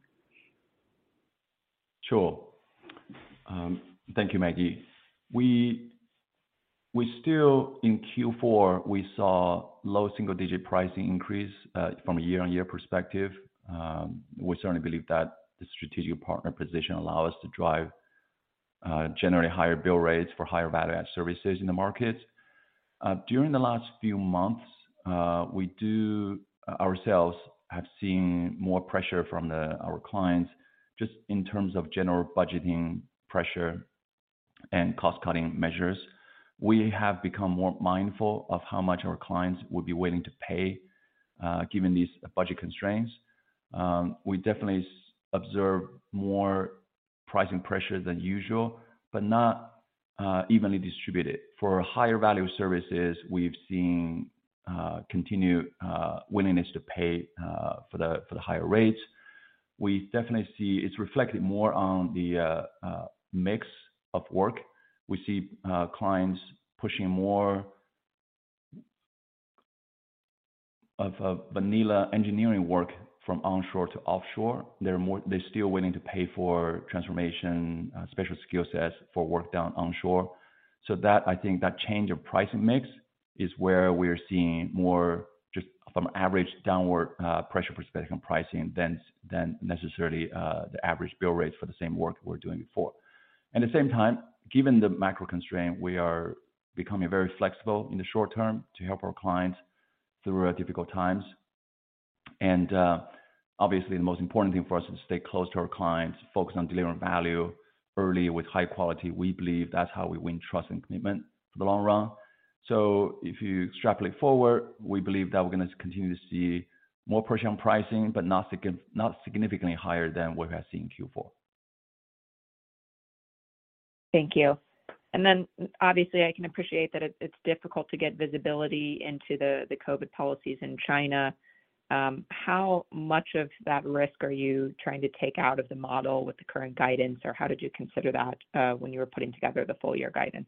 Speaker 2: Sure. Thank you, Maggie. We still in Q4, we saw low single-digit pricing increase from a year-on-year perspective. We certainly believe that the strategic partner position allow us to drive, generate higher bill rates for higher value-add services in the market. During the last few months, we do ourselves have seen more pressure from our clients just in terms of general budgeting pressure and cost-cutting measures. We have become more mindful of how much our clients would be willing to pay, given these budget constraints. We definitely observe more pricing pressure than usual, but not evenly distributed. For higher value services, we've seen continued willingness to pay for the higher rates. We definitely see it's reflected more on the mix of work. We see clients pushing more of vanilla engineering work from onshore to offshore. They're still willing to pay for transformation, special skill sets for work done onshore. I think that change of pricing mix is where we are seeing more just from average downward pressure perspective on pricing than necessarily the average bill rates for the same work we're doing before. At the same time, given the macro constraint, we are becoming very flexible in the short term to help our clients through difficult times. Obviously the most important thing for us is to stay close to our clients, focus on delivering value early with high quality. We believe that's how we win trust and commitment for the long run. If you extrapolate forward, we believe that we're gonna continue to see more pressure on pricing, but not significantly higher than what we have seen in Q4.
Speaker 6: Thank you. Obviously I can appreciate that it's difficult to get visibility into the COVID policies in China. How much of that risk are you trying to take out of the model with the current guidance, or how did you consider that when you were putting together the full year guidance?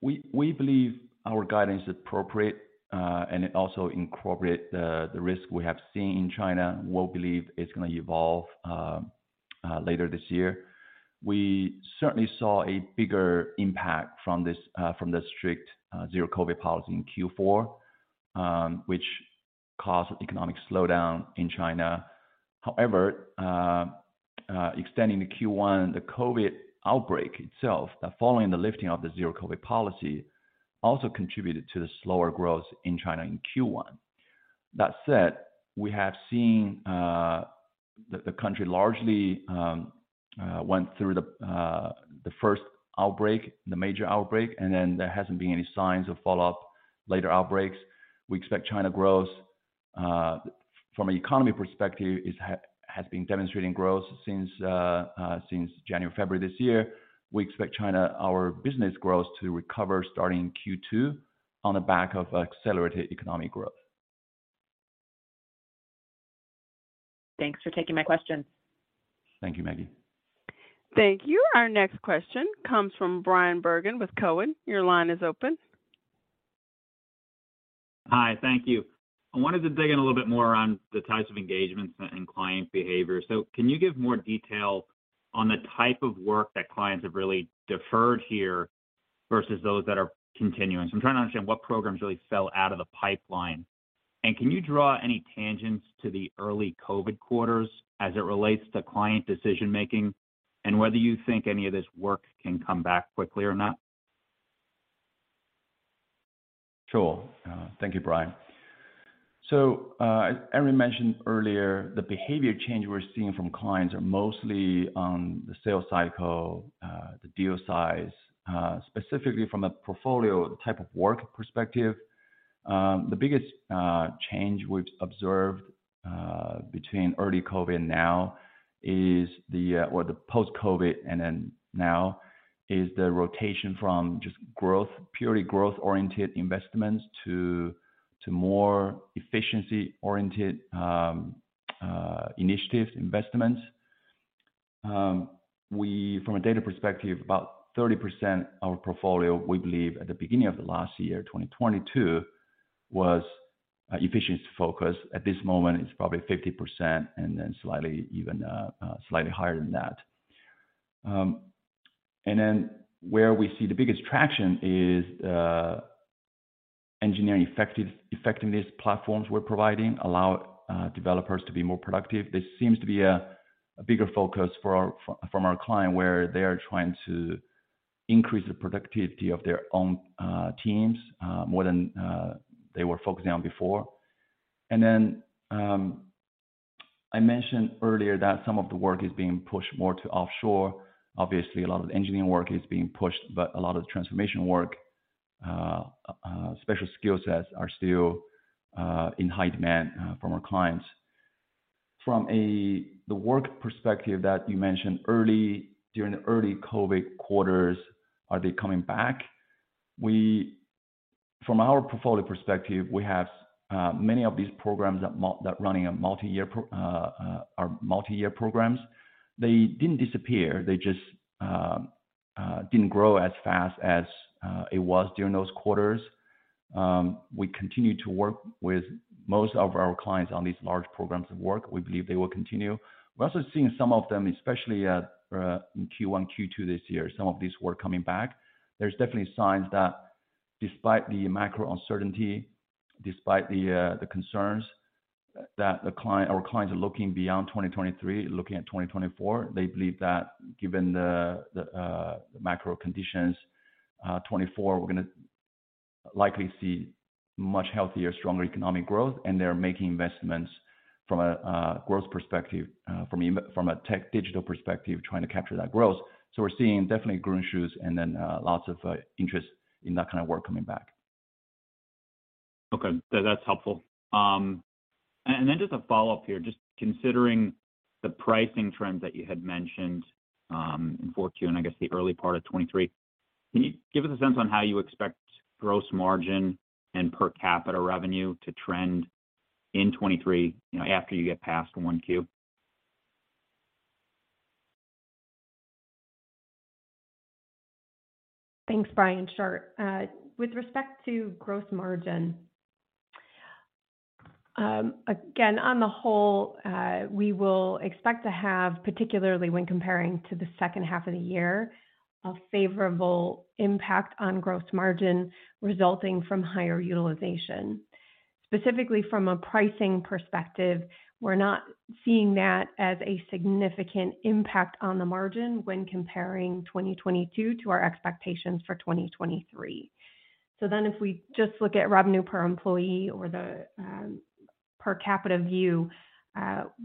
Speaker 2: We believe our guidance is appropriate, and it also incorporate the risk we have seen in China. We believe it's gonna evolve later this year. We certainly saw a bigger impact from this, from the strict zero-COVID policy in Q4, which caused economic slowdown in China. However, extending to Q1, the COVID outbreak itself, following the lifting of the zero-COVID policy, also contributed to the slower growth in China in Q1. That said, we have seen the country largely went through the first outbreak, the major outbreak, and then there hasn't been any signs of follow-up later outbreaks. We expect China growth, from an economy perspective, has been demonstrating growth since January, February this year. We expect China, our business growth to recover starting Q2 on the back of accelerated economic growth.
Speaker 6: Thanks for taking my question.
Speaker 2: Thank you, Maggie.
Speaker 4: Thank you. Our next question comes from Brian Bergen with Cowen. Your line is open.
Speaker 7: Hi, thank you. I wanted to dig in a little bit more on the types of engagements and client behavior. Can you give more detail on the type of work that clients have really deferred here versus those that are continuing? I'm trying to understand what programs really fell out of the pipeline. Can you draw any tangents to the early COVID quarters as it relates to client decision-making, and whether you think any of this work can come back quickly or not?
Speaker 2: Sure. Thank you, Brian. As Erin mentioned earlier, the behavior change we're seeing from clients are mostly on the sales cycle, the deal size. Specifically from a portfolio type of work perspective, the biggest change we've observed between early COVID now is the or the post-COVID and then now, is the rotation from just growth, purely growth-oriented investments to more efficiency-oriented initiative investments. From a data perspective, about 30% of our portfolio, we believe at the beginning of the last year, 2022, was efficiency focus. At this moment, it's probably 50% and then slightly even slightly higher than that. Where we see the biggest traction is engineering effectiveness platforms we're providing allow developers to be more productive. This seems to be a bigger focus from our client, where they are trying to increase the productivity of their own teams more than they were focusing on before. I mentioned earlier that some of the work is being pushed more to offshore. Obviously, a lot of the engineering work is being pushed, but a lot of the transformation work, special skill sets are still in high demand from our clients. From the work perspective that you mentioned during the early COVID quarters, are they coming back? From our portfolio perspective, we have many of these programs that are multi-year programs. They didn't disappear, they just didn't grow as fast as it was during those quarters. We continue to work with most of our clients on these large programs of work. We believe they will continue. We're also seeing some of them, especially in Q1, Q2 this year, some of this work coming back. There's definitely signs that despite the macro uncertainty, despite the concerns that the client or clients are looking beyond 2023, looking at 2024. They believe that given the macro conditions, 2024, we're gonna likely see much healthier, stronger economic growth. They're making investments from a growth perspective, from a tech digital perspective, trying to capture that growth. We're seeing definitely green shoots and then lots of interest in that kind of work coming back.
Speaker 7: Okay. That's helpful. Just a follow-up here, just considering the pricing trends that you had mentioned, in 4Q and I guess the early part of 2023. Can you give us a sense on how you expect gross margin and per capita revenue to trend in 2023, you know, after you get past 1Q?
Speaker 3: Thanks, Brian. Sure. With respect to gross margin, again, on the whole, we will expect to have, particularly when comparing to the H2 of the year, a favorable impact on gross margin resulting from higher utilization. Specifically from a pricing perspective, we're not seeing that as a significant impact on the margin when comparing 2022 to our expectations for 2023. If we just look at revenue per employee or the per capita view,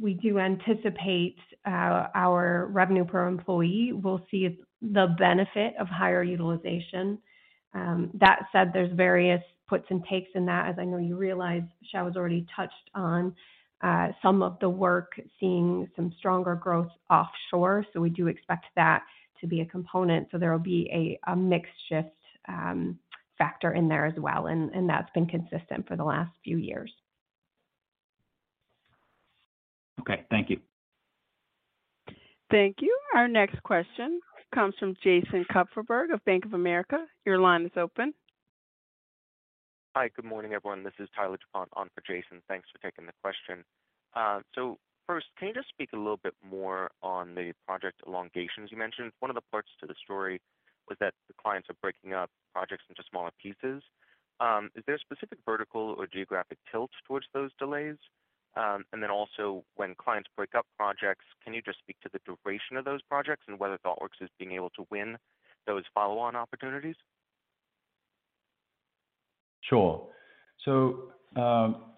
Speaker 3: we do anticipate our revenue per employee will see the benefit of higher utilization. That said, there's various puts and takes in that, as I know you realize. Xiao has already touched on some of the work seeing some stronger growth offshore, so we do expect that to be a component. There will be a mix shift factor in there as well, and that's been consistent for the last few years.
Speaker 7: Okay, thank you.
Speaker 4: Thank you. Our next question comes from Jason Kupferberg of Bank of America. Your line is open.
Speaker 8: Hi. Good morning, everyone. This is Tyler DuPont on for Jason. Thanks for taking the question. First, can you just speak a little bit more on the project elongations you mentioned? One of the parts to the story was that the clients are breaking up projects into smaller pieces. Is there a specific vertical or geographic tilt towards those delays? Also when clients break up projects, can you just speak to the duration of those projects and whether Thoughtworks is being able to win those follow-on opportunities?
Speaker 2: Sure. So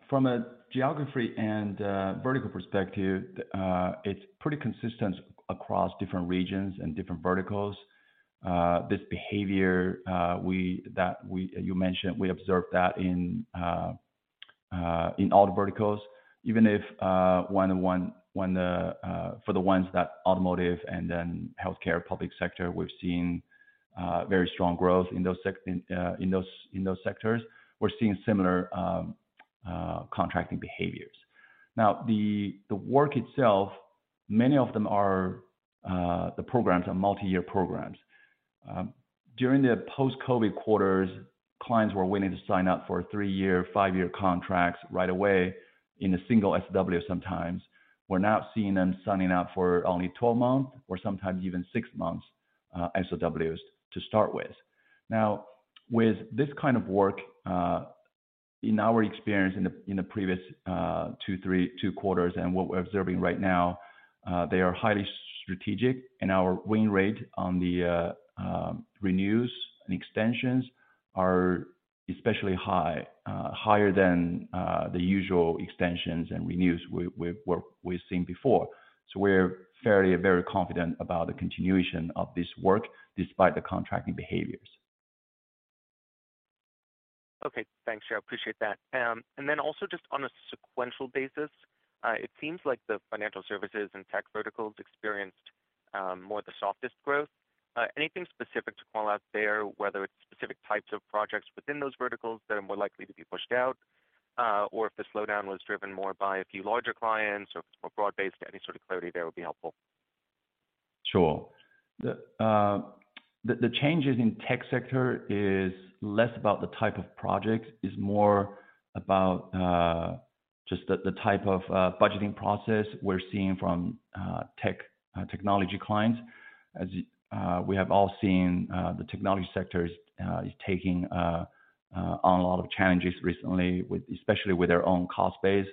Speaker 2: from a geography and vertical perspective, it's pretty consistent across different regions and different verticals. This behavior that we, you mentioned, we observed that in all the verticals, even if, for the ones that automotive and then healthcare, public sector, we've seen very strong growth in those sectors, we're seeing similar contracting behaviors. The work itself, many of them are, the programs are multi-year programs. During the post-COVID quarters, clients were willing to sign up for three-year, five-year contracts right away in a single SOW sometimes. We're now seeing them signing up for only 12-month or sometimes even six months SOWs to start with. Now with this kind of work, in our experience in the previous two quarters and what we're observing right now, they are highly strategic and our win rate on the renews and extensions are especially high, higher than the usual extensions and renews we've seen before. We're fairly, very confident about the continuation of this work despite the contracting behaviors.
Speaker 8: Okay. Thanks, Xiao. I appreciate that. Then also just on a sequential basis, it seems like the financial services and tech verticals experienced more the softest growth. Anything specific to call out there, whether it's specific types of projects within those verticals that are more likely to be pushed out, or if the slowdown was driven more by a few larger clients or if it's more broad-based, any sort of clarity there would be helpful.
Speaker 2: Sure. The changes in tech sector is less about the type of projects. It's more about just the type of budgeting process we're seeing from tech technology clients. As we have all seen, the technology sectors is taking on a lot of challenges recently with, especially with their own cost base.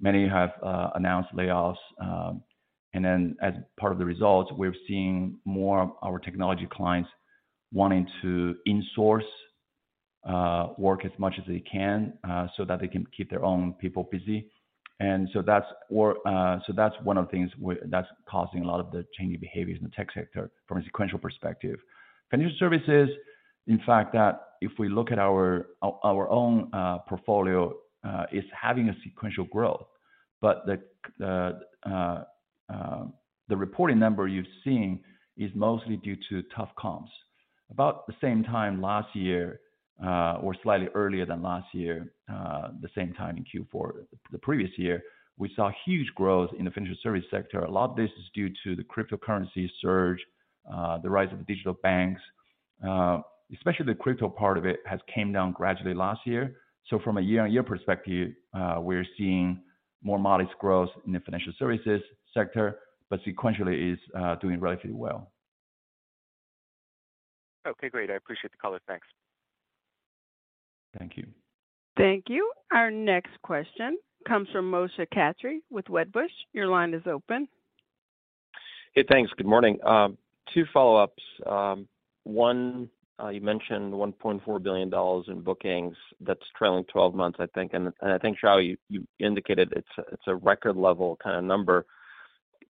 Speaker 2: Many have announced layoffs, and then as part of the results, we've seen more of our technology clients wanting to insource work as much as they can so that they can keep their own people busy. That's causing a lot of the changing behaviors in the tech sector from a sequential perspective. Financial services, in fact, that if we look at our own portfolio is having a sequential growth. The reporting number you've seen is mostly due to tough comps. About the same time last year or slightly earlier than last year, the same time in Q4 the previous year, we saw huge growth in the financial service sector. A lot of this is due to the cryptocurrency surge, the rise of digital banks. Especially the crypto part of it has came down gradually last year. From a year-on-year perspective, we're seeing more modest growth in the financial services sector, but sequentially is doing relatively well.
Speaker 8: Okay, great. I appreciate the color. Thanks.
Speaker 2: Thank you.
Speaker 4: Thank you. Our next question comes from Moshe Katri with Wedbush. Your line is open.
Speaker 9: Hey, thanks. Good morning. Two follow-ups. One, you mentioned $1.4 billion in bookings. That's trailing 12 months, I think. I think, Xiao, you indicated it's a record level kinda number.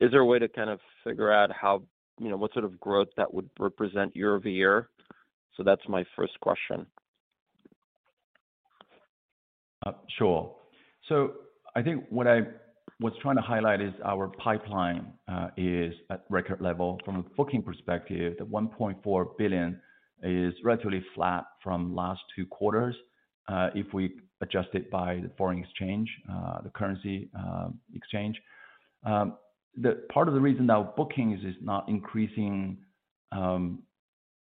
Speaker 9: Is there a way to kind of figure out how, you know, what sort of growth that would represent year-over-year? That's my first question.
Speaker 2: Sure. I think what I was trying to highlight is our pipeline is at record level. From a booking perspective, the $1.4 billion is relatively flat from last two quarters, if we adjust it by the foreign exchange, the currency exchange. The part of the reason our bookings is not increasing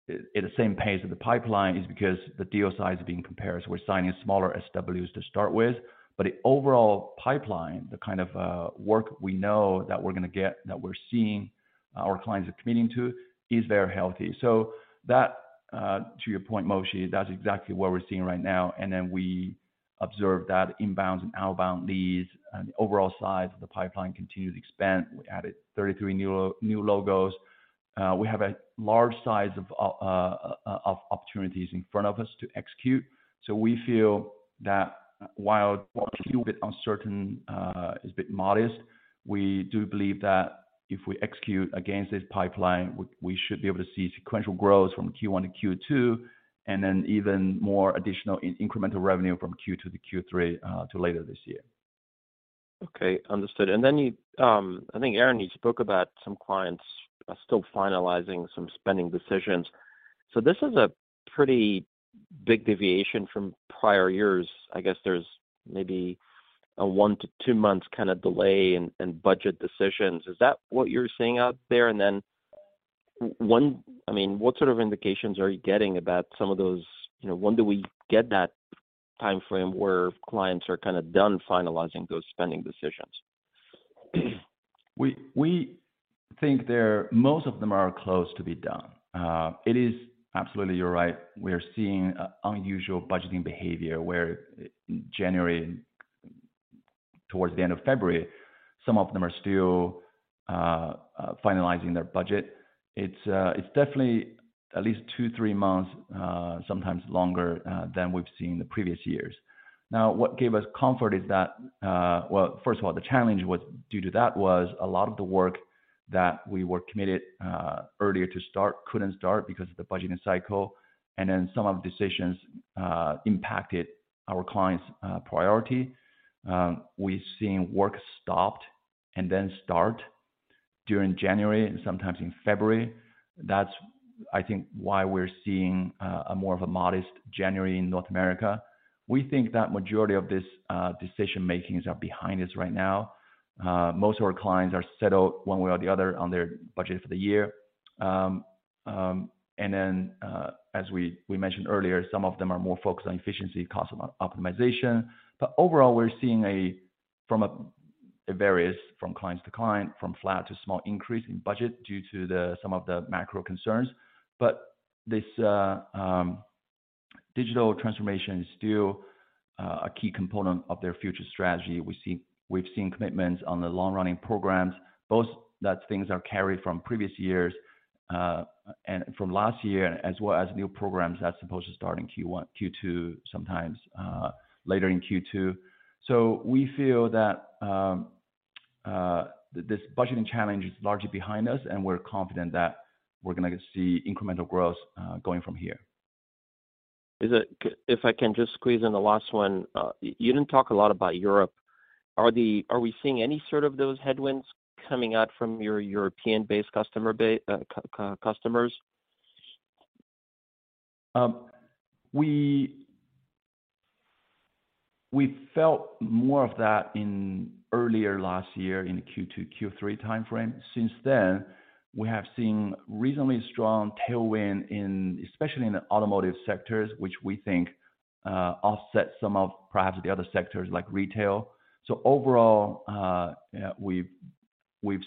Speaker 2: at the same pace of the pipeline is because the deal size being compared, we're signing smaller SOWs to start with. The overall pipeline, the kind of work we know that we're gonna get, that we're seeing our clients are committing to, is very healthy. That, to your point, Moshe Katri, that's exactly what we're seeing right now. We observe that inbounds and outbound leads and the overall size of the pipeline continue to expand. We added 33 new logos. We have a large size of opportunities in front of us to execute. We feel that while Q is a bit uncertain, is a bit modest, we do believe that if we execute against this pipeline, we should be able to see sequential growth from Q1 to Q2, and then even more additional in-incremental revenue from Q2 to Q3 to later this year.
Speaker 9: Okay, understood. Then I think, Erin, you spoke about some clients are still finalizing some spending decisions. This is a pretty big deviation from prior years. I guess there's maybe a one to two months kind of delay in budget decisions. Is that what you're seeing out there? Then I mean, what sort of indications are you getting about some of those, you know, when do we get that timeframe where clients are kind of done finalizing those spending decisions?
Speaker 2: We think most of them are close to be done. It is absolutely, you're right, we are seeing unusual budgeting behavior where January towards the end of February, some of them are still finalizing their budget. It's definitely at least two, three months, sometimes longer, than we've seen the previous years. What gave us comfort is that, well, first of all, the challenge was, due to that, was a lot of the work that we were committed earlier to start couldn't start because of the budgeting cycle, and then some of the decisions impacted our clients' priority. We've seen work stopped and then start during January and sometimes in February. That's, I think why we're seeing a more of a modest January in North America. We think that majority of this decision-makings are behind us right now. Most of our clients are settled one way or the other on their budget for the year. As we mentioned earlier, some of them are more focused on efficiency cost optimization. Overall, we're seeing, it varies from client to client, from flat to small increase in budget due to some of the macro concerns. This digital transformation is still a key component of their future strategy. We've seen commitments on the long-running programs, both that things are carried from previous years and from last year, as well as new programs that's supposed to start in Q1, Q2, sometimes later in Q2. We feel that, this budgeting challenge is largely behind us, and we're confident that we're gonna see incremental growth going from here.
Speaker 9: If I can just squeeze in the last one. You didn't talk a lot about Europe. Are we seeing any sort of those headwinds coming out from your European-based customers?
Speaker 2: We felt more of that in earlier last year in the Q2, Q3 timeframe. Since then, we have seen reasonably strong tailwind in, especially in the automotive sectors, which we think offset some of perhaps the other sectors like retail. Overall, we've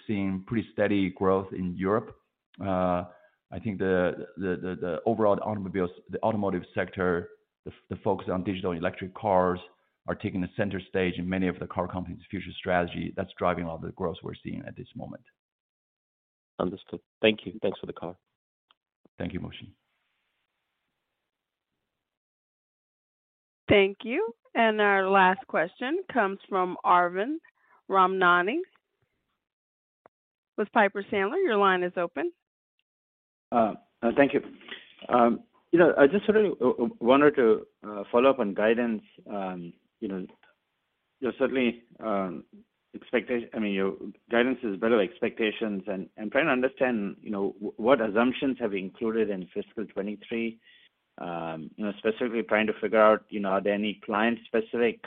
Speaker 2: seen pretty steady growth in Europe. I think the overall automobiles, the automotive sector, the focus on digital and electric cars are taking the center stage in many of the car companies' future strategy. That's driving a lot of the growth we're seeing at this moment.
Speaker 9: Understood. Thank you. Thanks for the call.
Speaker 2: Thank you, Moshe.
Speaker 4: Thank you. Our last question comes from Arvind Ramnani with Piper Sandler. Your line is open.
Speaker 10: Thank you. You know, I just sort of wanted to follow up on guidance, you know. There's certainly, I mean, your guidance is better than expectations, and I'm trying to understand, you know, what assumptions have included in fiscal 2023. You know, specifically trying to figure out, you know, are there any client-specific,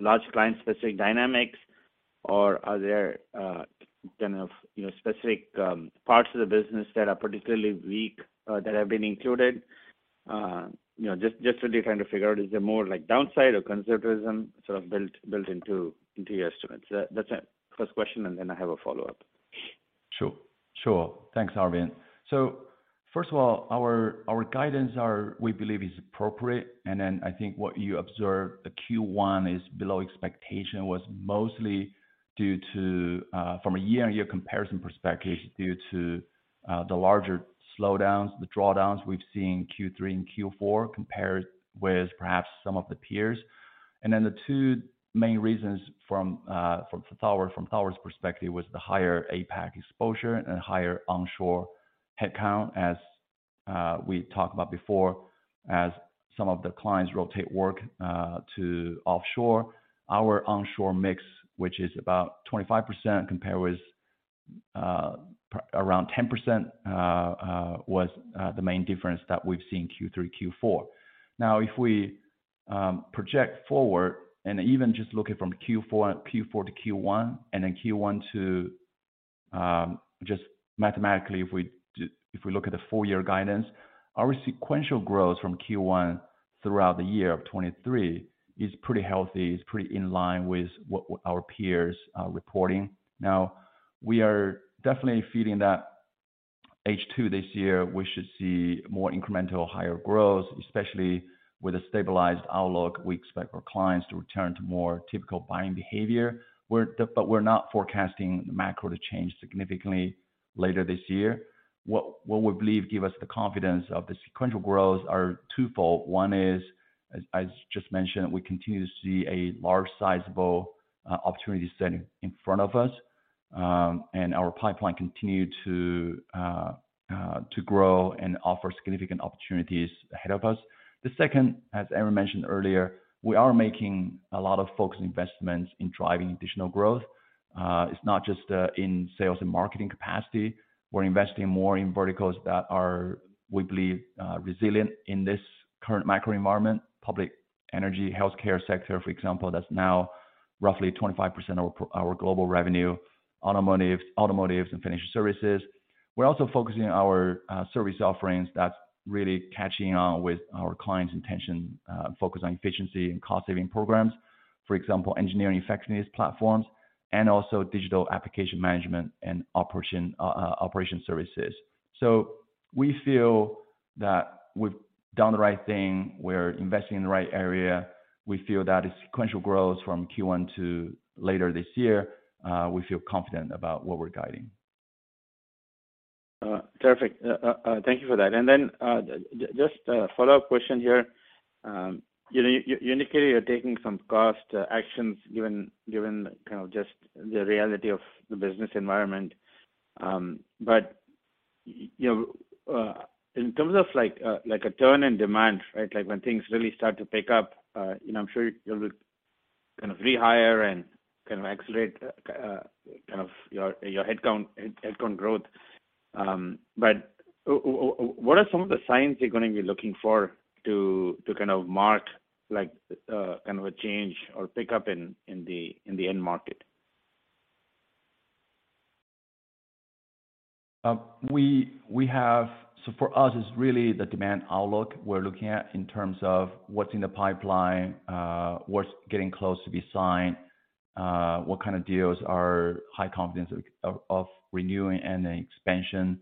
Speaker 10: large client-specific dynamics? Or are there, kind of, you know, specific parts of the business that are particularly weak that have been included? You know, just sort of trying to figure out, is there more like downside or conservatism sort of built into your estimates? That's it. First question, and then I have a follow-up.
Speaker 2: Sure. Sure. Thanks, Arvind. First of all, our guidance we believe is appropriate. I think what you observed, the Q1 is below expectation, was mostly due to from a year-on-year comparison perspective, due to the larger slowdowns, the drawdowns we've seen Q3 and Q4, compared with perhaps some of the peers. The two main reasons from Thoughtworks' perspective was the higher APAC exposure and higher onshore headcount, as we talked about before, as some of the clients rotate work to offshore. Our onshore mix, which is about 25% compared with around 10%, was the main difference that we've seen Q3, Q4. Now, if we project forward and even just looking from Q4 to Q1, and then Q1 to just mathematically, if we look at the full year guidance, our sequential growth from Q1 throughout the year of 2023 is pretty healthy, is pretty in line with what our peers are reporting. Now, we are definitely feeling that H2 this year, we should see more incremental higher growth, especially with a stabilized outlook. We expect our clients to return to more typical buying behavior. We're not forecasting the macro to change significantly later this year. What we believe give us the confidence of the sequential growth are twofold. One is, as just mentioned, we continue to see a large sizable opportunity setting in front of us, and our pipeline continue to grow and offer significant opportunities ahead of us. The second, as Erin mentioned earlier, we are making a lot of focused investments in driving additional growth. It's not just in sales and marketing capacity. We're investing more in verticals that are, we believe, resilient in this current macro environment, public energy, healthcare sector, for example, that's now roughly 25% of our global revenue, automotives and financial services. We're also focusing our service offerings that's really catching on with our clients' intention, focus on efficiency and cost saving programs, for example, engineering effectiveness platforms and also digital application management and operation operation services. We feel that we've done the right thing. We're investing in the right area. We feel that a sequential growth from Q1 to later this year, we feel confident about what we're guiding.
Speaker 10: Terrific. Thank you for that. Then, just a follow-up question here. You know, you indicated you're taking some cost actions given kind of just the reality of the business environment. But, you know, in terms of like a turn in demand, right? Like when things really start to pick up, you know, I'm sure you'll kind of rehire and kind of accelerate kind of your headcount growth. But what are some of the signs you're gonna be looking for to kind of mark like a change or pickup in the end market?
Speaker 2: We have. For us, it's really the demand outlook we're looking at in terms of what's in the pipeline, what's getting close to be signed, what kind of deals are high confidence of renewing any expansion.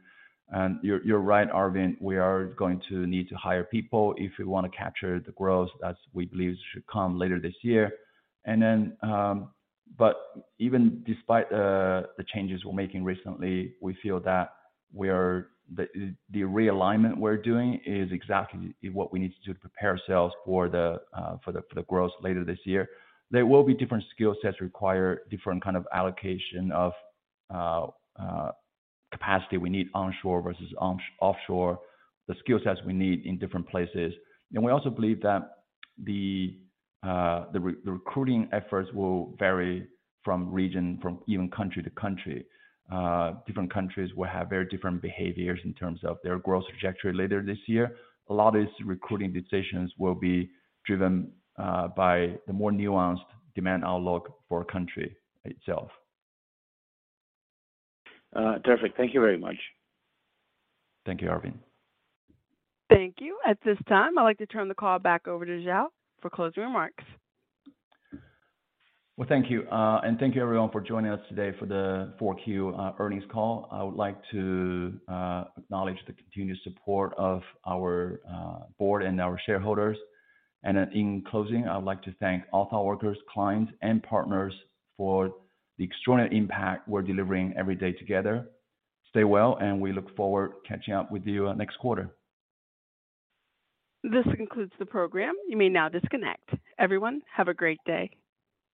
Speaker 2: You're right, Arvind, we are going to need to hire people if we wanna capture the growth that we believe should come later this year. Even despite the changes we're making recently, we feel that the realignment we're doing is exactly what we need to do to prepare ourselves for the growth later this year. There will be different skill sets require different kind of allocation of capacity we need onshore versus offshore, the skill sets we need in different places. We also believe that the recruiting efforts will vary from region, from even country to country. Different countries will have very different behaviors in terms of their growth trajectory later this year. A lot of these recruiting decisions will be driven by the more nuanced demand outlook for country itself.
Speaker 10: Terrific. Thank you very much.
Speaker 2: Thank you, Arvind.
Speaker 4: Thank you. At this time, I'd like to turn the call back over to Xiao for closing remarks.
Speaker 2: Well, thank you. Thank you everyone for joining us today for the 4Q earnings call. I would like to acknowledge the continuous support of our board and our shareholders. In closing, I would like to thank all our workers, clients, and partners for the extraordinary impact we're delivering every day together. Stay well, and we look forward catching up with you next quarter.
Speaker 4: This concludes the program. You may now disconnect. Everyone, have a great day.